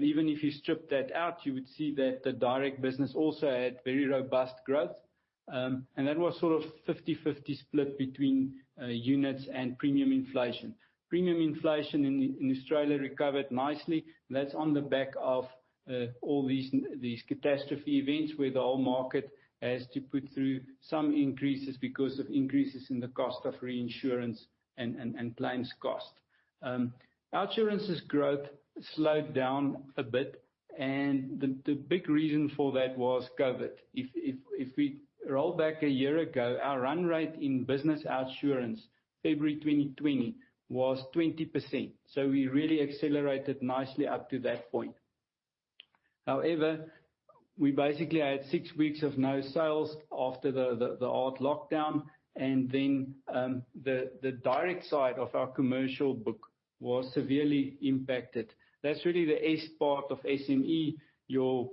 Even if you strip that out, you would see that the direct business also had very robust growth. That was sort of 50/50 split between units and premium inflation. Premium inflation in Australia recovered nicely. That's on the back of all these catastrophe events where the whole market has to put through some increases because of increases in the cost of reinsurance and claims cost. OUTsurance's growth slowed down a bit, the big reason for that was COVID. If we roll back a year ago, our run rate in business OUTsurance, February 2020, was 20%. We really accelerated nicely up to that point. However, we basically had six weeks of no sales after the hard lockdown, the direct side of our commercial book was severely impacted. That's really the S part of SME, your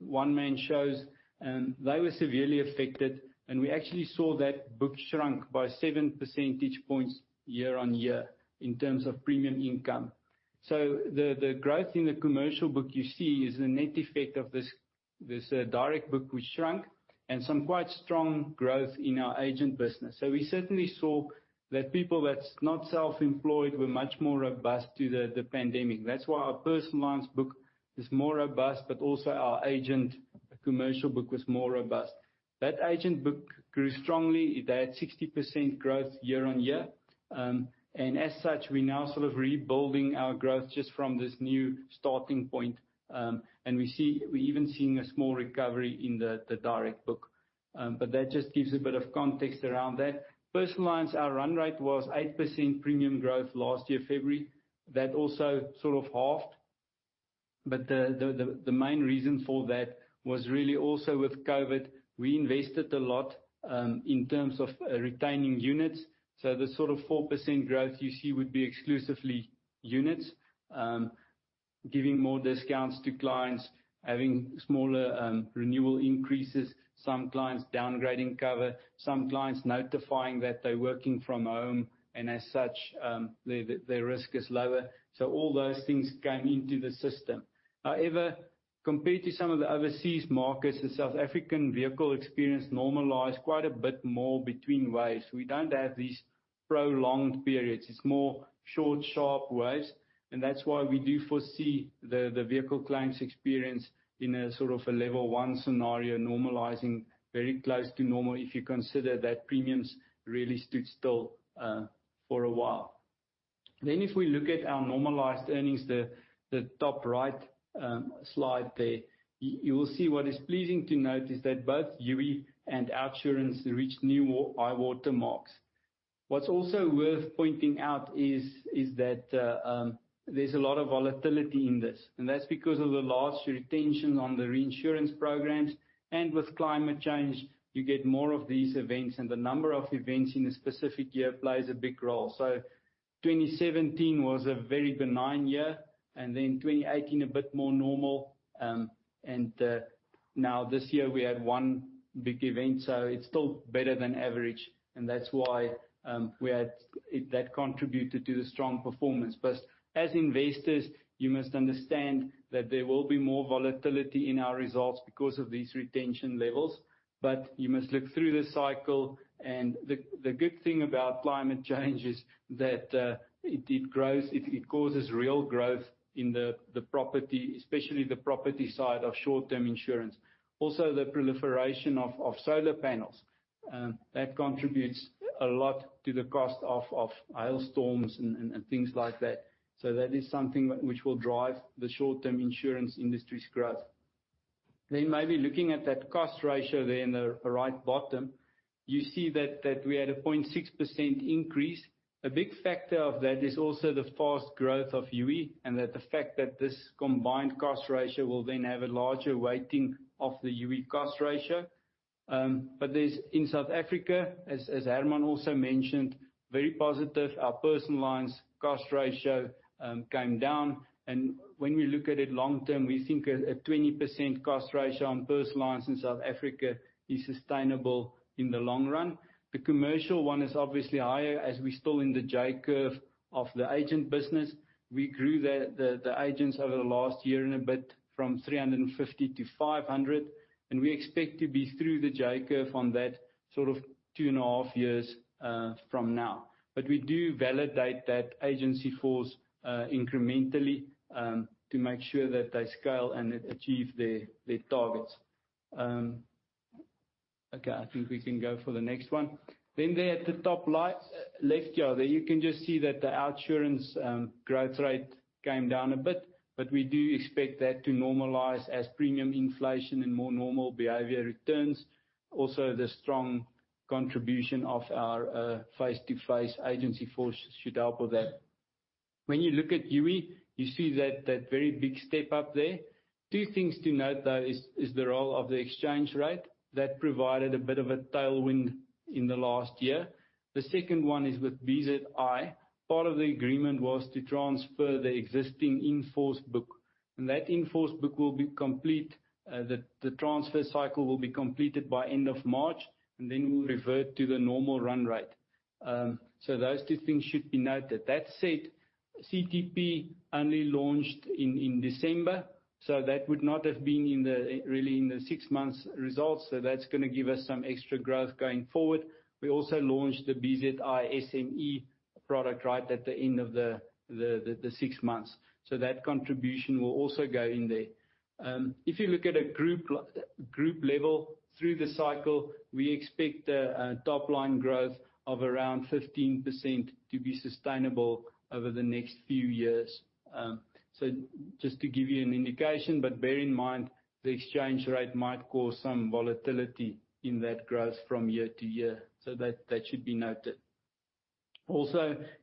one-man shows, they were severely affected. We actually saw that book shrunk by seven percentage points year-on-year in terms of premium income. The growth in the commercial book you see is the net effect of this direct book, we shrunk, and some quite strong growth in our agent business. We certainly saw that people that's not self-employed were much more robust to the pandemic. That's why our personal lines book is more robust, but also our agent commercial book was more robust. That agent book grew strongly. It had 60% growth year-on-year. As such, we now sort of rebuilding our growth just from this new starting point. We're even seeing a small recovery in the direct book. That just gives a bit of context around that. Personal lines, our run rate was 8% premium growth last year, February. That also sort of halved. The main reason for that was really also with COVID, we invested a lot in terms of retaining units. The sort of 4% growth you see would be exclusively units, giving more discounts to clients, having smaller renewal increases, some clients downgrading cover, some clients notifying that they're working from home and as such, their risk is lower. All those things came into the system. However, compared to some of the overseas markets, the South African vehicle experience normalized quite a bit more between waves. We don't have these prolonged periods. It's more short, sharp waves, and that's why we do foresee the vehicle claims experience in a sort of a level 1 scenario normalizing very close to normal if you consider that premiums really stood still for a while. If we look at our normalized earnings, the top right slide there, you will see what is pleasing to note is that both Youi and OUTsurance reached new high water marks. What's also worth pointing out is that there's a lot of volatility in this, and that's because of the large retention on the reinsurance programs. With climate change, you get more of these events, and the number of events in a specific year plays a big role. 2017 was a very benign year, and then 2018 a bit more normal. Now this year we had one big event, so it's still better than average and that's why that contributed to the strong performance. As investors, you must understand that there will be more volatility in our results because of these retention levels. You must look through the cycle and the good thing about climate change is that it causes real growth in the property, especially the property side of short-term insurance. The proliferation of solar panels. That contributes a lot to the cost of hailstorms and things like that. That is something which will drive the short-term insurance industry's growth. Maybe looking at that cost ratio there in the right bottom, you see that we had a 0.6% increase. A big factor of that is also the fast growth of Youi and that the fact that this combined cost ratio will then have a larger weighting of the Youi cost ratio. There's, in South Africa, as Herman also mentioned, very positive. Our personal lines cost ratio came down. When we look at it long term, we think a 20% cost ratio on personal lines in South Africa is sustainable in the long run. The commercial one is obviously higher as we're still in the J curve of the agent business. We grew the agents over the last year and a bit from 350 to 500, and we expect to be through the J curve on that sort of two and a half years from now. We do validate that agency force incrementally, to make sure that they scale and achieve their targets. I think we can go for the next one. There at the top left here, you can just see that the OUTsurance growth rate came down a bit, but we do expect that to normalize as premium inflation and more normal behavior returns. The strong contribution of our face-to-face agency force should help with that. When you look at Youi, you see that very big step up there. Two things to note though is the role of the exchange rate. That provided a bit of a tailwind in the last year. The second one is with BZI. Part of the agreement was to transfer the existing in-force book, and that in-force book will be complete. The transfer cycle will be completed by end of March, and then we'll revert to the normal run rate. Those two things should be noted. That said, CTP only launched in December, that would not have been really in the six months results. That's going to give us some extra growth going forward. We also launched the BZI SME product right at the end of the six months. That contribution will also go in there. If you look at a group level through the cycle, we expect a top-line growth of around 15% to be sustainable over the next few years. Just to give you an indication, but bear in mind the exchange rate might cause some volatility in that growth from year to year. That should be noted.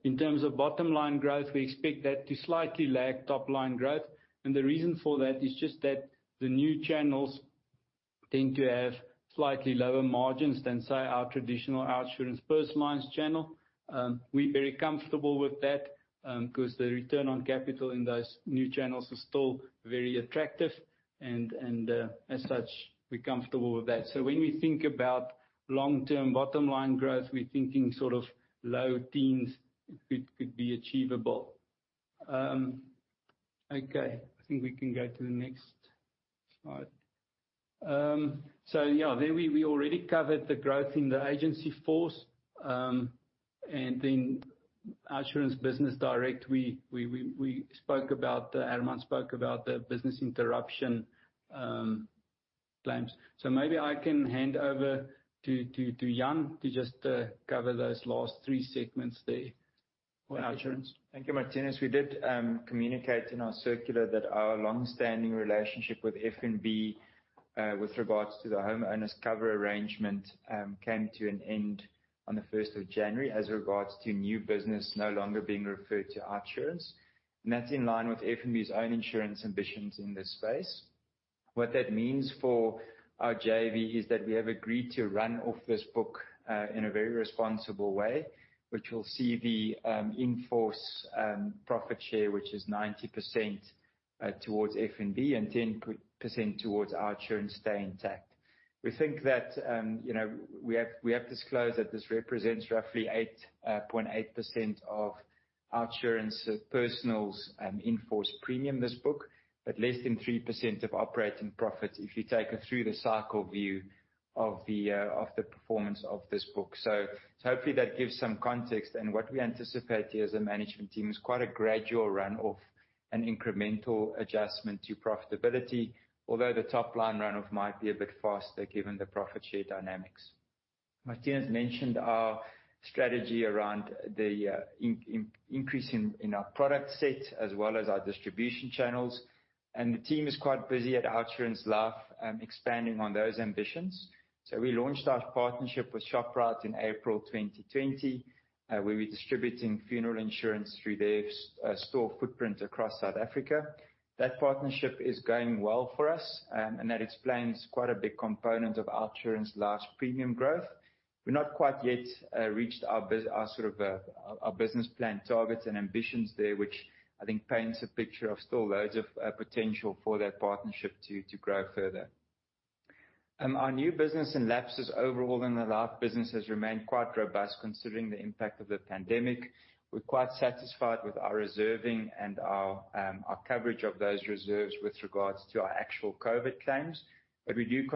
In terms of bottom-line growth, we expect that to slightly lag top line growth. The reason for that is just that the new channels tend to have slightly lower margins than, say, our traditional OUTsurance Personal lines channel. We're very comfortable with that, because the return on capital in those new channels is still very attractive, and as such, we're comfortable with that. When we think about long-term bottom-line growth, we're thinking sort of low teens could be achievable. Okay. I think we can go to the next slide. There we already covered the growth in the agency force, and then OUTsurance Business Direct, Herman spoke about the business interruption claims. Maybe I can hand over to Jan to just cover those last three segments there for OUTsurance. Thank you, Marthinus. We did communicate in our circular that our longstanding relationship with FNB with regards to the homeowners cover arrangement came to an end on the 1st of January as regards to new business no longer being referred to OUTsurance. That's in line with FNB's own insurance ambitions in this space. What that means for our JV is that we have agreed to run off this book in a very responsible way, which will see the in-force profit share, which is 90% towards FNB and 10% towards OUTsurance, stay intact. We have disclosed that this represents roughly 8.8% of OUTsurance Personal's in-force premium, this book, but less than 3% of operating profits if you take a through-the-cycle view of the performance of this book. Hopefully that gives some context, what we anticipate here as a management team is quite a gradual run-off and incremental adjustment to profitability, although the top-line run-off might be a bit faster given the profit share dynamics. Marthinus mentioned our strategy around the increase in our product set as well as our distribution channels. The team is quite busy at OUTsurance Life expanding on those ambitions. We launched our partnership with Shoprite in April 2020, where we're distributing funeral insurance through their store footprint across South Africa. That partnership is going well for us. That explains quite a big component of OUTsurance Life's premium growth. We've not quite yet reached our business plan targets and ambitions there, which I think paints a picture of still loads of potential for that partnership to grow further. Our new business and lapses overall in the Life business has remained quite robust considering the impact of the pandemic. We're quite satisfied with our reserving and our coverage of those reserves with regards to our actual COVID claims. We do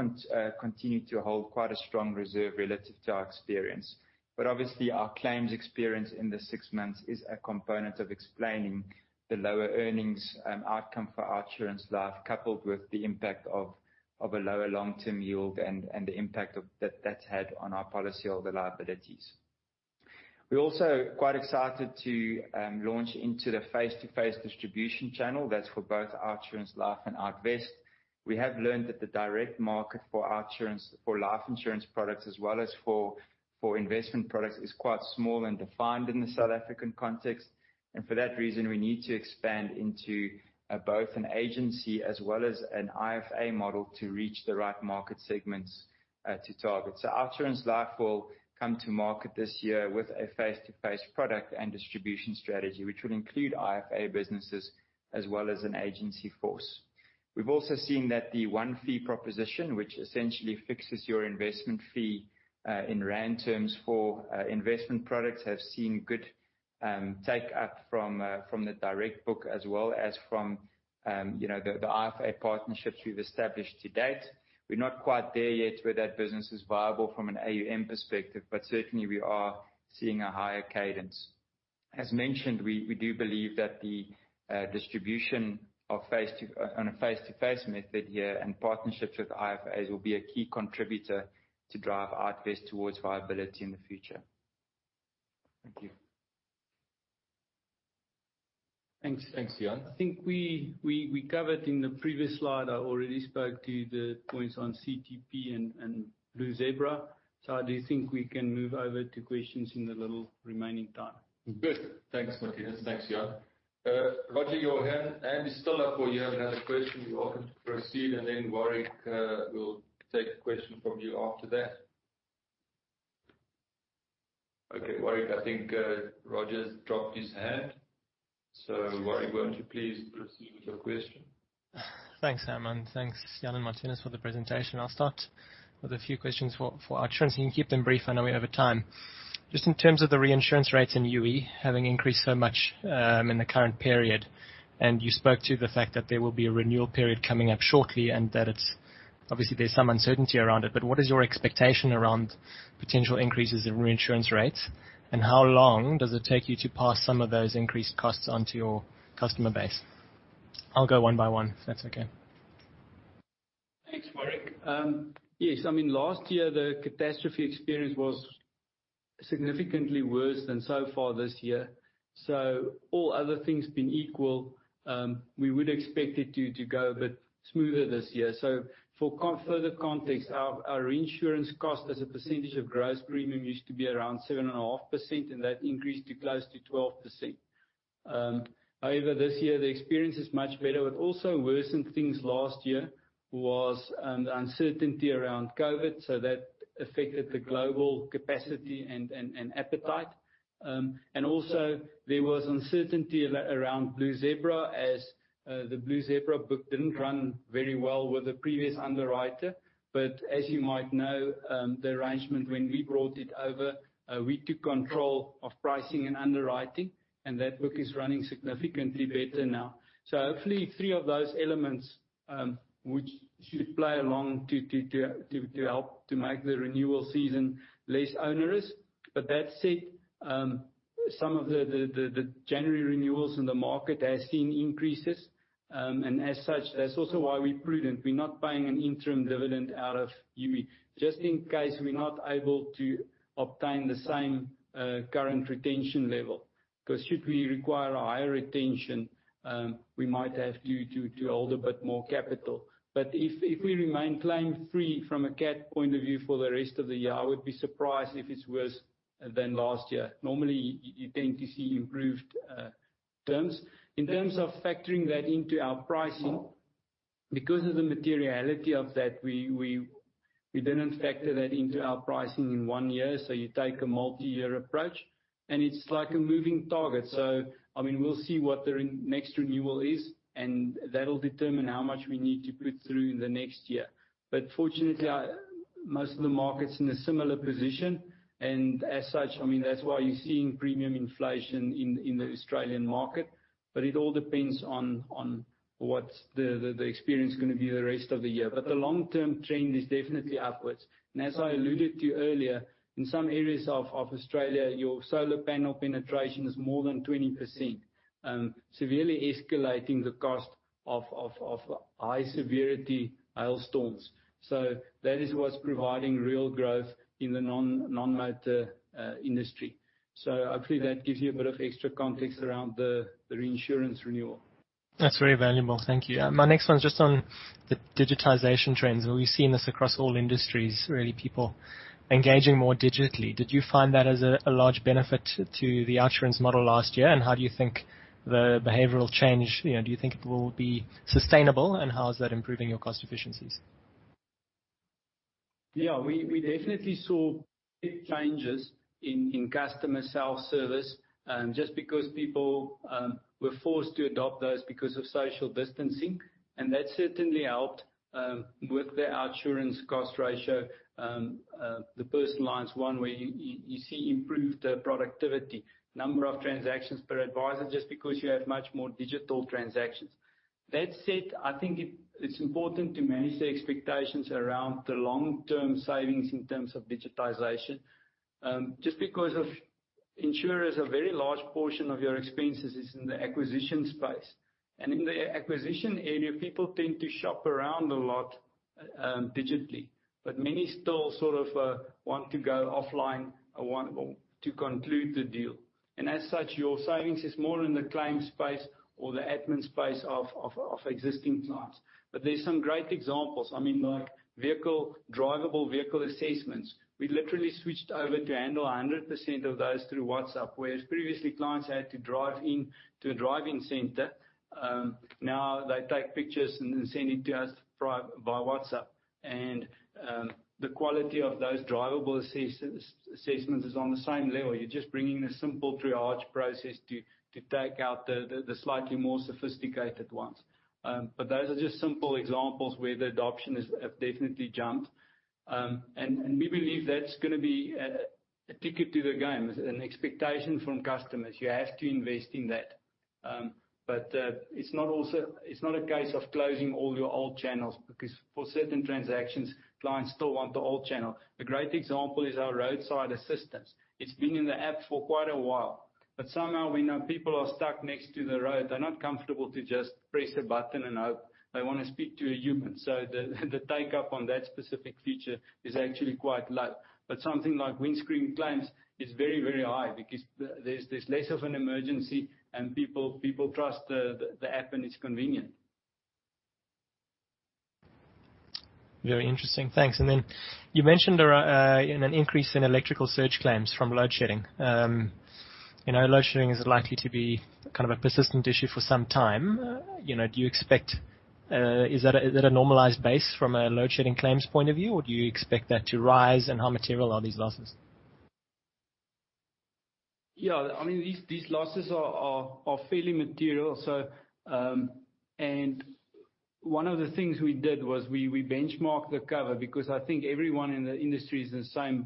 continue to hold quite a strong reserve relative to our experience. Obviously, our claims experience in the six months is a component of explaining the lower earnings outcome for OUTsurance Life, coupled with the impact of a lower long-term yield and the impact that that's had on our policyholder liabilities. We're also quite excited to launch into the face-to-face distribution channel. That's for both OUTsurance Life and OUTvest. We have learned that the direct market for OUTsurance for life insurance products as well as for investment products is quite small and defined in the South African context. For that reason, we need to expand into both an agency as well as an IFA model to reach the right market segments to target. OUTsurance Life will come to market this year with a face-to-face product and distribution strategy, which will include IFA businesses as well as an agency force. We've also seen that the one-fee proposition, which essentially fixes your investment fee in ZAR terms for investment products, have seen good take-up from the direct book as well as from the IFA partnerships we've established to date. We're not quite there yet where that business is viable from an AUM perspective, certainly we are seeing a higher cadence. As mentioned, we do believe that the distribution on a face-to-face method here and partnerships with IFAs will be a key contributor to drive OUTvest towards viability in the future. Thank you. Thanks, Jan. I think we covered in the previous slide, I already spoke to the points on CTP and Blue Zebra. I do think we can move over to questions in the little remaining time. Good. Thanks, Marthinus. Thanks, Jan. Roger, your hand is still up, or you have another question. You're welcome to proceed, then Warrick will take a question from you after that. Okay, Warrick, I think Roger's dropped his hand. Warrick, won't you please proceed with your question? Thanks, Herman. Thanks, Jan and Marthinus for the presentation. I'll start with a few questions for OUTsurance. You can keep them brief. I know we're over time. Just in terms of the reinsurance rates in Youi having increased so much in the current period, you spoke to the fact that there will be a renewal period coming up shortly and that obviously there's some uncertainty around it, what is your expectation around potential increases in reinsurance rates? How long does it take you to pass some of those increased costs on to your customer base? I'll go one by one, if that's okay. Thanks, Warrick. Yes, I mean, last year, the catastrophe experience was significantly worse than so far this year. All other things being equal, we would expect it to go a bit smoother this year. For further context, our reinsurance cost as a percentage of gross premium used to be around 7.5%, that increased to close to 12%. However, this year the experience is much better. What also worsened things last year was the uncertainty around COVID, that affected the global capacity and appetite. Also there was uncertainty around Blue Zebra as the Blue Zebra book didn't run very well with the previous underwriter. As you might know, the arrangement when we brought it over, we took control of pricing and underwriting, that book is running significantly better now. Hopefully three of those elements which should play along to help to make the renewal season less onerous. That said, some of the January renewals in the market has seen increases. As such, that's also why we're prudent. We're not paying an interim dividend out of UB just in case we're not able to obtain the same current retention level, because should we require a higher retention, we might have to hold a bit more capital. If we remain claim free from a cat point of view for the rest of the year, I would be surprised if it's worse than last year. Normally, you tend to see improved terms. In terms of factoring that into our pricing, because of the materiality of that, we didn't factor that into our pricing in one year. You take a multi-year approach and it's like a moving target. We'll see what the next renewal is, and that'll determine how much we need to put through in the next year. Fortunately, most of the market's in a similar position, as such, that's why you're seeing premium inflation in the Australian market. It all depends on what's the experience going to be the rest of the year. The long-term trend is definitely upwards. As I alluded to earlier, in some areas of Australia, your solar panel penetration is more than 20%, severely escalating the cost of high severity hailstorms. That is what's providing real growth in the non-motor industry. Hopefully that gives you a bit of extra context around the reinsurance renewal. That's very valuable. Thank you. My next one's just on the digitization trends, we've seen this across all industries, really, people engaging more digitally. Did you find that as a large benefit to the OUTsurance model last year? How do you think the behavioral change, do you think it will be sustainable, and how is that improving your cost efficiencies? We definitely saw big changes in customer self-service, just because people were forced to adopt those because of social distancing, and that certainly helped with the OUTsurance cost ratio. The personal line's one where you see improved productivity, number of transactions per advisor, just because you have much more digital transactions. That said, I think it's important to manage the expectations around the long-term savings in terms of digitization. Just because of insurers, a very large portion of your expenses is in the acquisition space. In the acquisition area, people tend to shop around a lot digitally. Many still sort of want to go offline or want to conclude the deal. As such, your savings is more in the claim space or the admin space of existing clients. There's some great examples. Like drivable vehicle assessments. We literally switched over to handle 100% of those through WhatsApp, whereas previously, clients had to drive in to a driving center. Now they take pictures and send it to us via WhatsApp. The quality of those drivable assessments is on the same level. You're just bringing a simple triage process to take out the slightly more sophisticated ones. Those are just simple examples where the adoption have definitely jumped. We believe that's going to be a ticket to the game. An expectation from customers. You have to invest in that. It's not a case of closing all your old channels because for certain transactions, clients still want the old channel. A great example is our roadside assistance. It's been in the app for quite a while, but somehow we know people are stuck next to the road. They're not comfortable to just press a button and hope. They want to speak to a human. The take-up on that specific feature is actually quite low. Something like windscreen claims is very high because there's less of an emergency and people trust the app and it's convenient. Very interesting. Thanks. You mentioned an increase in electrical surge claims from load shedding. Load shedding is likely to be kind of a persistent issue for some time. Is that a normalized base from a load shedding claims point of view, or do you expect that to rise? How material are these losses? These losses are fairly material. One of the things we did was we benchmarked the cover because I think everyone in the industry is the same.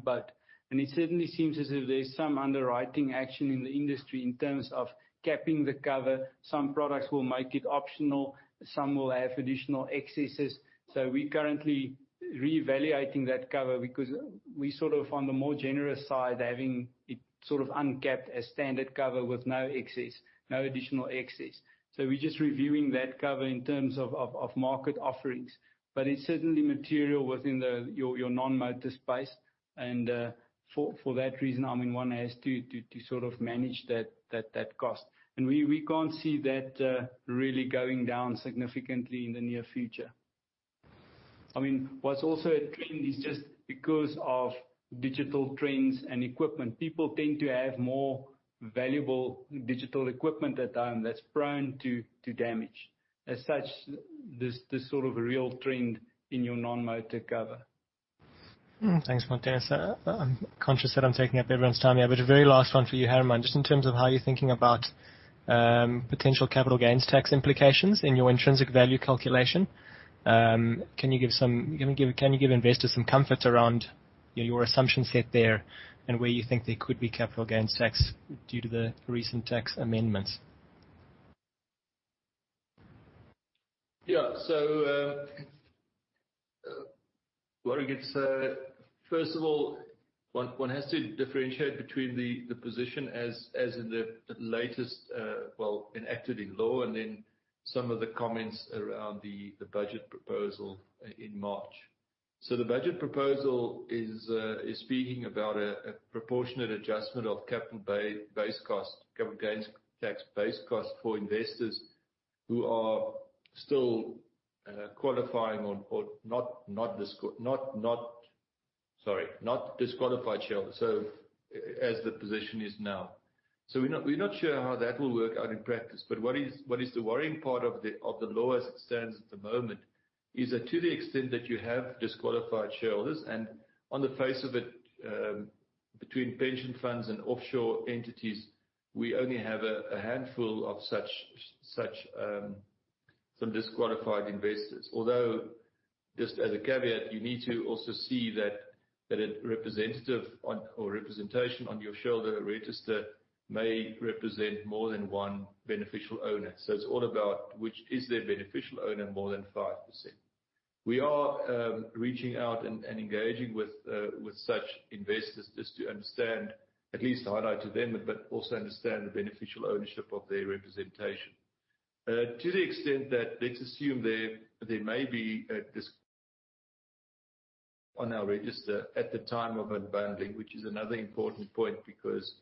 It certainly seems as if there's some underwriting action in the industry in terms of capping the cover. Some products will make it optional, some will have additional excesses. We're currently reevaluating that cover because we sort of on the more generous side, having it sort of uncapped as standard cover with no excess, no additional excess. We're just reviewing that cover in terms of market offerings. It's certainly material within your non-motor space. For that reason, one has to sort of manage that cost. We can't see that really going down significantly in the near future. What's also a trend is just because of digital trends and equipment, people tend to have more valuable digital equipment at home that's prone to damage. As such, there's a real trend in your non-motor cover. Thanks, Marius. I'm conscious that I'm taking up everyone's time here. A very last one for you, Herman. Just in terms of how you're thinking about potential capital gains tax implications in your intrinsic value calculation. Can you give investors some comfort around your assumption set there and where you think there could be capital gains tax due to the recent tax amendments? Laurie, first of all, one has to differentiate between the position as in the latest, well, enacted in law and then some of the comments around the budget proposal in March. The budget proposal is speaking about a proportionate adjustment of capital gains tax base cost for investors who are still qualifying or, sorry, not disqualified shareholders. As the position is now. We're not sure how that will work out in practice. What is the worrying part of the law as it stands at the moment is that to the extent that you have disqualified shareholders, and on the face of it, between pension funds and offshore entities, we only have a handful of some disqualified investors. Although, just as a caveat, you need to also see that a representative or representation on your shareholder register may represent more than one beneficial owner. It's all about, which is their beneficial owner more than 5%. We are reaching out and engaging with such investors just to understand, at least highlight to them, but also understand the beneficial ownership of their representation. To the extent that let's assume there may be a disq-- on our register at the time of unbundling, which is another important point because,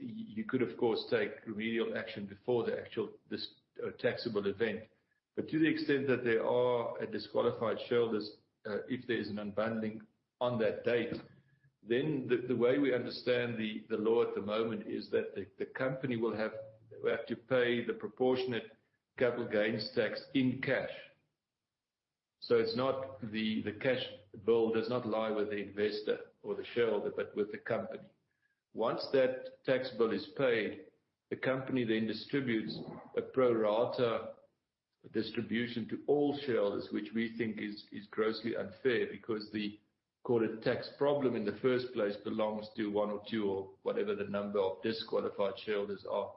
you could, of course, take remedial action before the actual taxable event. To the extent that there are disqualified shareholders, if there is an unbundling on that date, then the way we understand the law at the moment is that the company will have to pay the proportionate capital gains tax in cash. The cash bill does not lie with the investor or the shareholder, but with the company. Once that tax bill is paid, the company then distributes a pro rata distribution to all shareholders, which we think is grossly unfair because the, call it tax problem in the first place, belongs to one or two or whatever the number of disqualified shareholders are.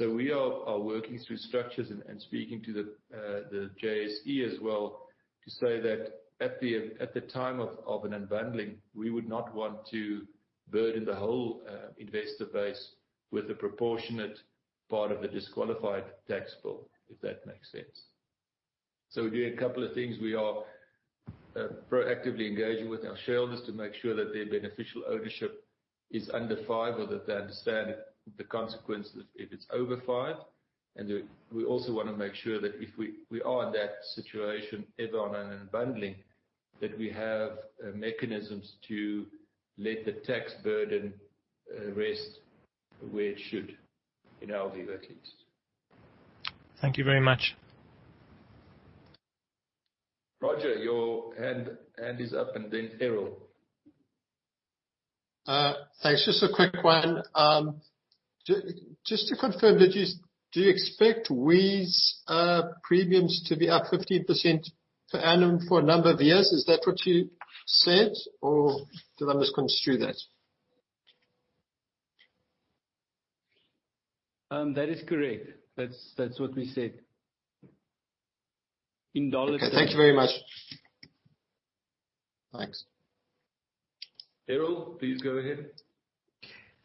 We are working through structures and speaking to the JSE as well to say that at the time of an unbundling, we would not want to burden the whole investor base with a proportionate part of the disqualified tax bill, if that makes sense. We are doing a couple of things. We are proactively engaging with our shareholders to make sure that their beneficial ownership is under five, or that they understand the consequences if it's over five. We also want to make sure that if we are in that situation ever on an unbundling, that we have mechanisms to let the tax burden rest where it should, in our view, at least. Thank you very much. Roger, your hand is up, and then Errol. Thanks. Just a quick one. Just to confirm, do you expect GWP premiums to be up 15% per annum for a number of years? Is that what you said, or did I misconstrue that? That is correct. That's what we said. In dollar terms. Okay. Thank you very much. Thanks. Errol, please go ahead.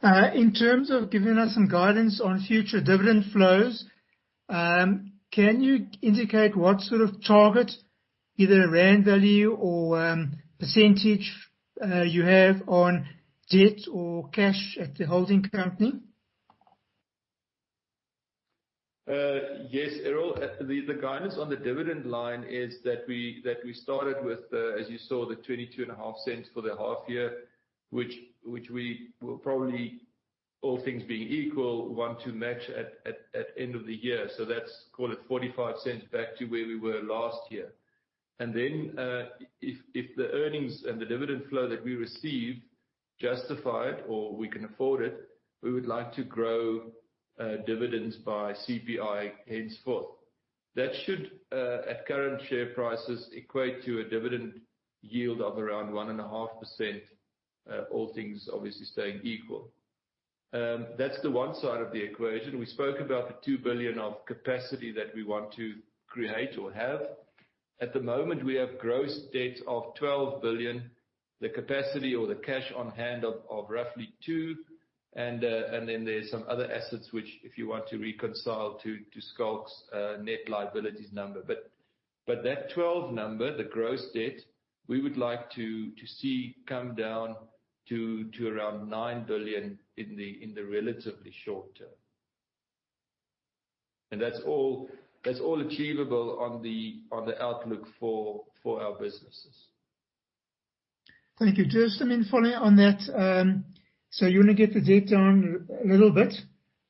In terms of giving us some guidance on future dividend flows, can you indicate what sort of target, either ZAR value or percentage, you have on debt or cash at the holding company? Yes, Errol. The guidance on the dividend line is that we started with, as you saw, the 0.225 for the half year, which we will probably, all things being equal, want to match at end of the year. That's, call it 0.45 back to where we were last year. Then, if the earnings and the dividend flow that we receive justify it or we can afford it, we would like to grow dividends by CPI henceforth. That should, at current share prices, equate to a dividend yield of around 1.5%, all things obviously staying equal. That's the one side of the equation. We spoke about the 2 billion of capacity that we want to create or have. At the moment, we have gross debt of 12 billion. The capacity or the cash on hand of roughly 2 billion. Then there are some other assets which, if you want to reconcile to Skoll's net liabilities number. That 12 number, the gross debt, we would like to see come down to around 9 billion in the relatively short term. That's all achievable on the outlook for our businesses. Thank you. Just a minute follow on that. You want to get the debt down a little bit.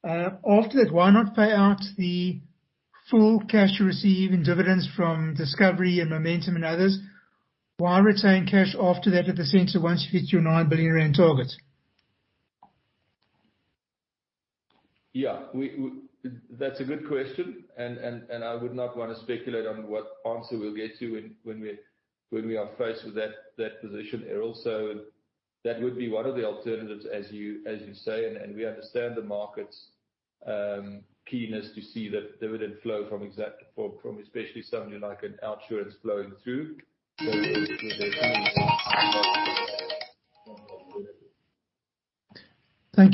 After that, why not pay out the full cash you receive in dividends from Discovery and Momentum and others? Why retain cash after that at the center once you hit your 9 billion rand target? That's a good question, and I would not want to speculate on what answer we'll get to when we are faced with that position, Errol. That would be one of the alternatives, as you say, and we understand the market's keenness to see that dividend flow from especially something like an OUTsurance flowing through. Thank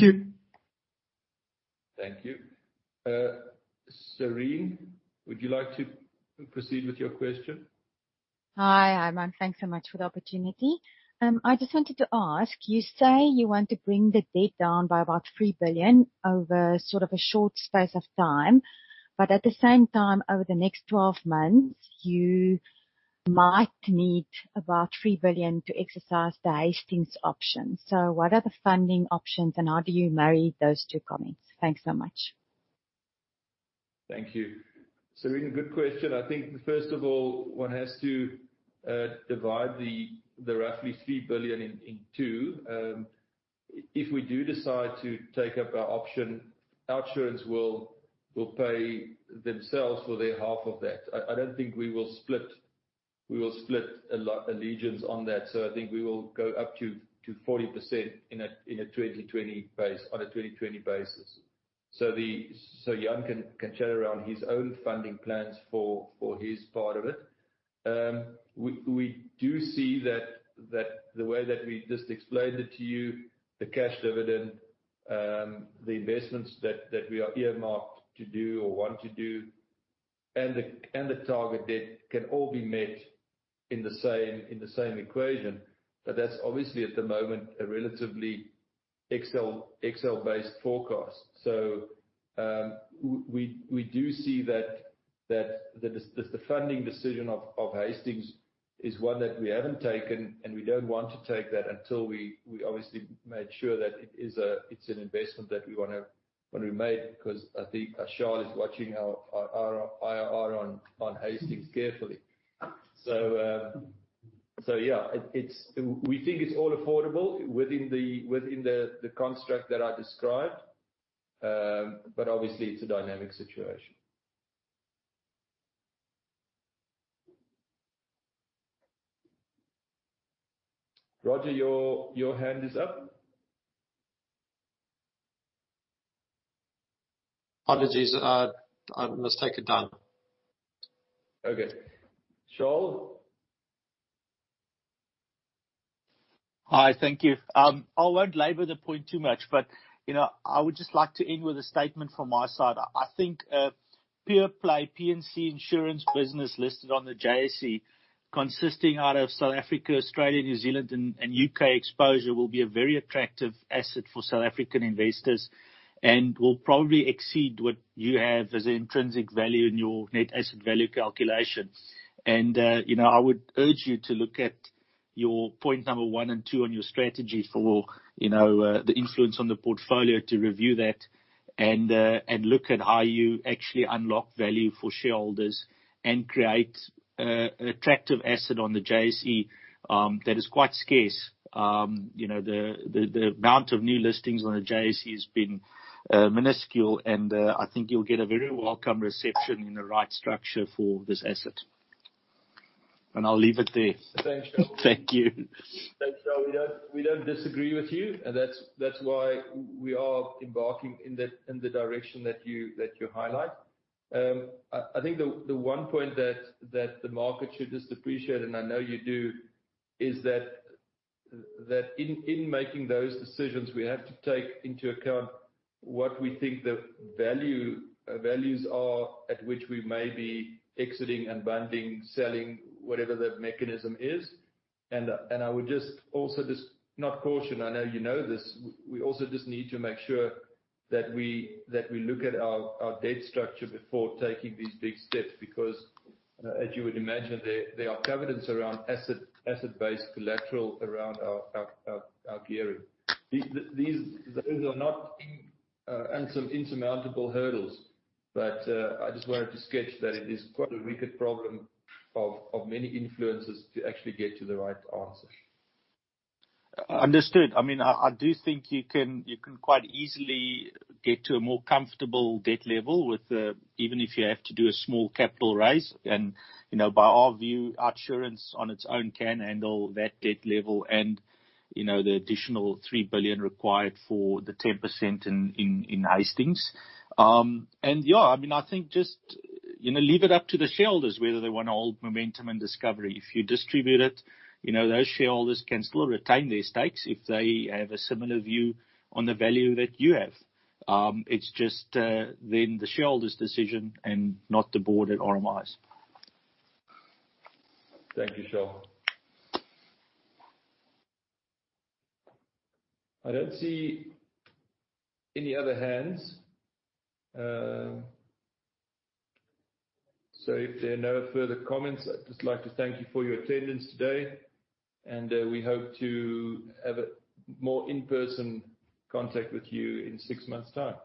you. Thank you. Serene, would you like to proceed with your question? Hi, Herman. Thanks so much for the opportunity. I just wanted to ask, you say you want to bring the debt down by about 3 billion over sort of a short space of time. At the same time, over the next 12 months, you might need about 3 billion to exercise the Hastings option. What are the funding options and how do you marry those two comments? Thanks so much. Thank you. Serene, good question. I think, first of all, one has to divide the roughly 3 billion in 2. If we do decide to take up our option, OUTsurance will pay themselves for their half of that. I don't think we will split allegiance on that. I think we will go up to 40% on a 2020 basis. Jan can chat around his own funding plans for his part of it. We do see that the way that we just explained it to you, the cash dividend, the investments that we are earmarked to do or want to do, and the target debt can all be met in the same equation. That's obviously, at the moment, a relatively Excel-based forecast. We do see that the funding decision of Hastings is one that we haven't taken, and we don't want to take that until we obviously made sure that it's an investment that we want to be made because I think Charles is watching our IRR on Hastings carefully. Yeah. We think it's all affordable within the construct that I described. Obviously, it's a dynamic situation. Roger, your hand is up. Apologies. Mistake it down. Okay. Charles? Hi. Thank you. I won't labor the point too much, but I would just like to end with a statement from my side. I think a pure play P&C insurance business listed on the JSE, consisting out of South Africa, Australia, New Zealand and U.K. exposure, will be a very attractive asset for South African investors and will probably exceed what you have as intrinsic value in your net asset value calculation. I would urge you to look at your point number 1 and 2 on your strategy for the influence on the portfolio to review that and look at how you actually unlock value for shareholders and create attractive asset on the JSE that is quite scarce. The amount of new listings on the JSE has been minuscule, and I think you'll get a very welcome reception in the right structure for this asset. I'll leave it there. Thanks, Charles. Thank you. Thanks, Charles. We don't disagree with you. That's why we are embarking in the direction that you highlight. I think the one point that the market should just appreciate, and I know you do, is that in making those decisions, we have to take into account what we think the values are at which we may be exiting and banding, selling, whatever the mechanism is. I would just also, not caution, I know you know this. We also just need to make sure that we look at our debt structure before taking these big steps because, as you would imagine, there are covenants around asset-based collateral around our gearing. Those are not insurmountable hurdles. I just wanted to sketch that it is quite a wicked problem of many influences to actually get to the right answer. Understood. I do think you can quite easily get to a more comfortable debt level even if you have to do a small capital raise. By our view, OUTsurance on its own can handle that debt level and the additional 3 billion required for the 10% in Hastings. Yeah. I think just leave it up to the shareholders whether they want to hold Momentum and Discovery. If you distribute it, those shareholders can still retain their stakes if they have a similar view on the value that you have. It's just then the shareholders' decision and not the board at RMI's. Thank you, Charles. I don't see any other hands. If there are no further comments, I'd just like to thank you for your attendance today, and we hope to have a more in-person contact with you in six months' time.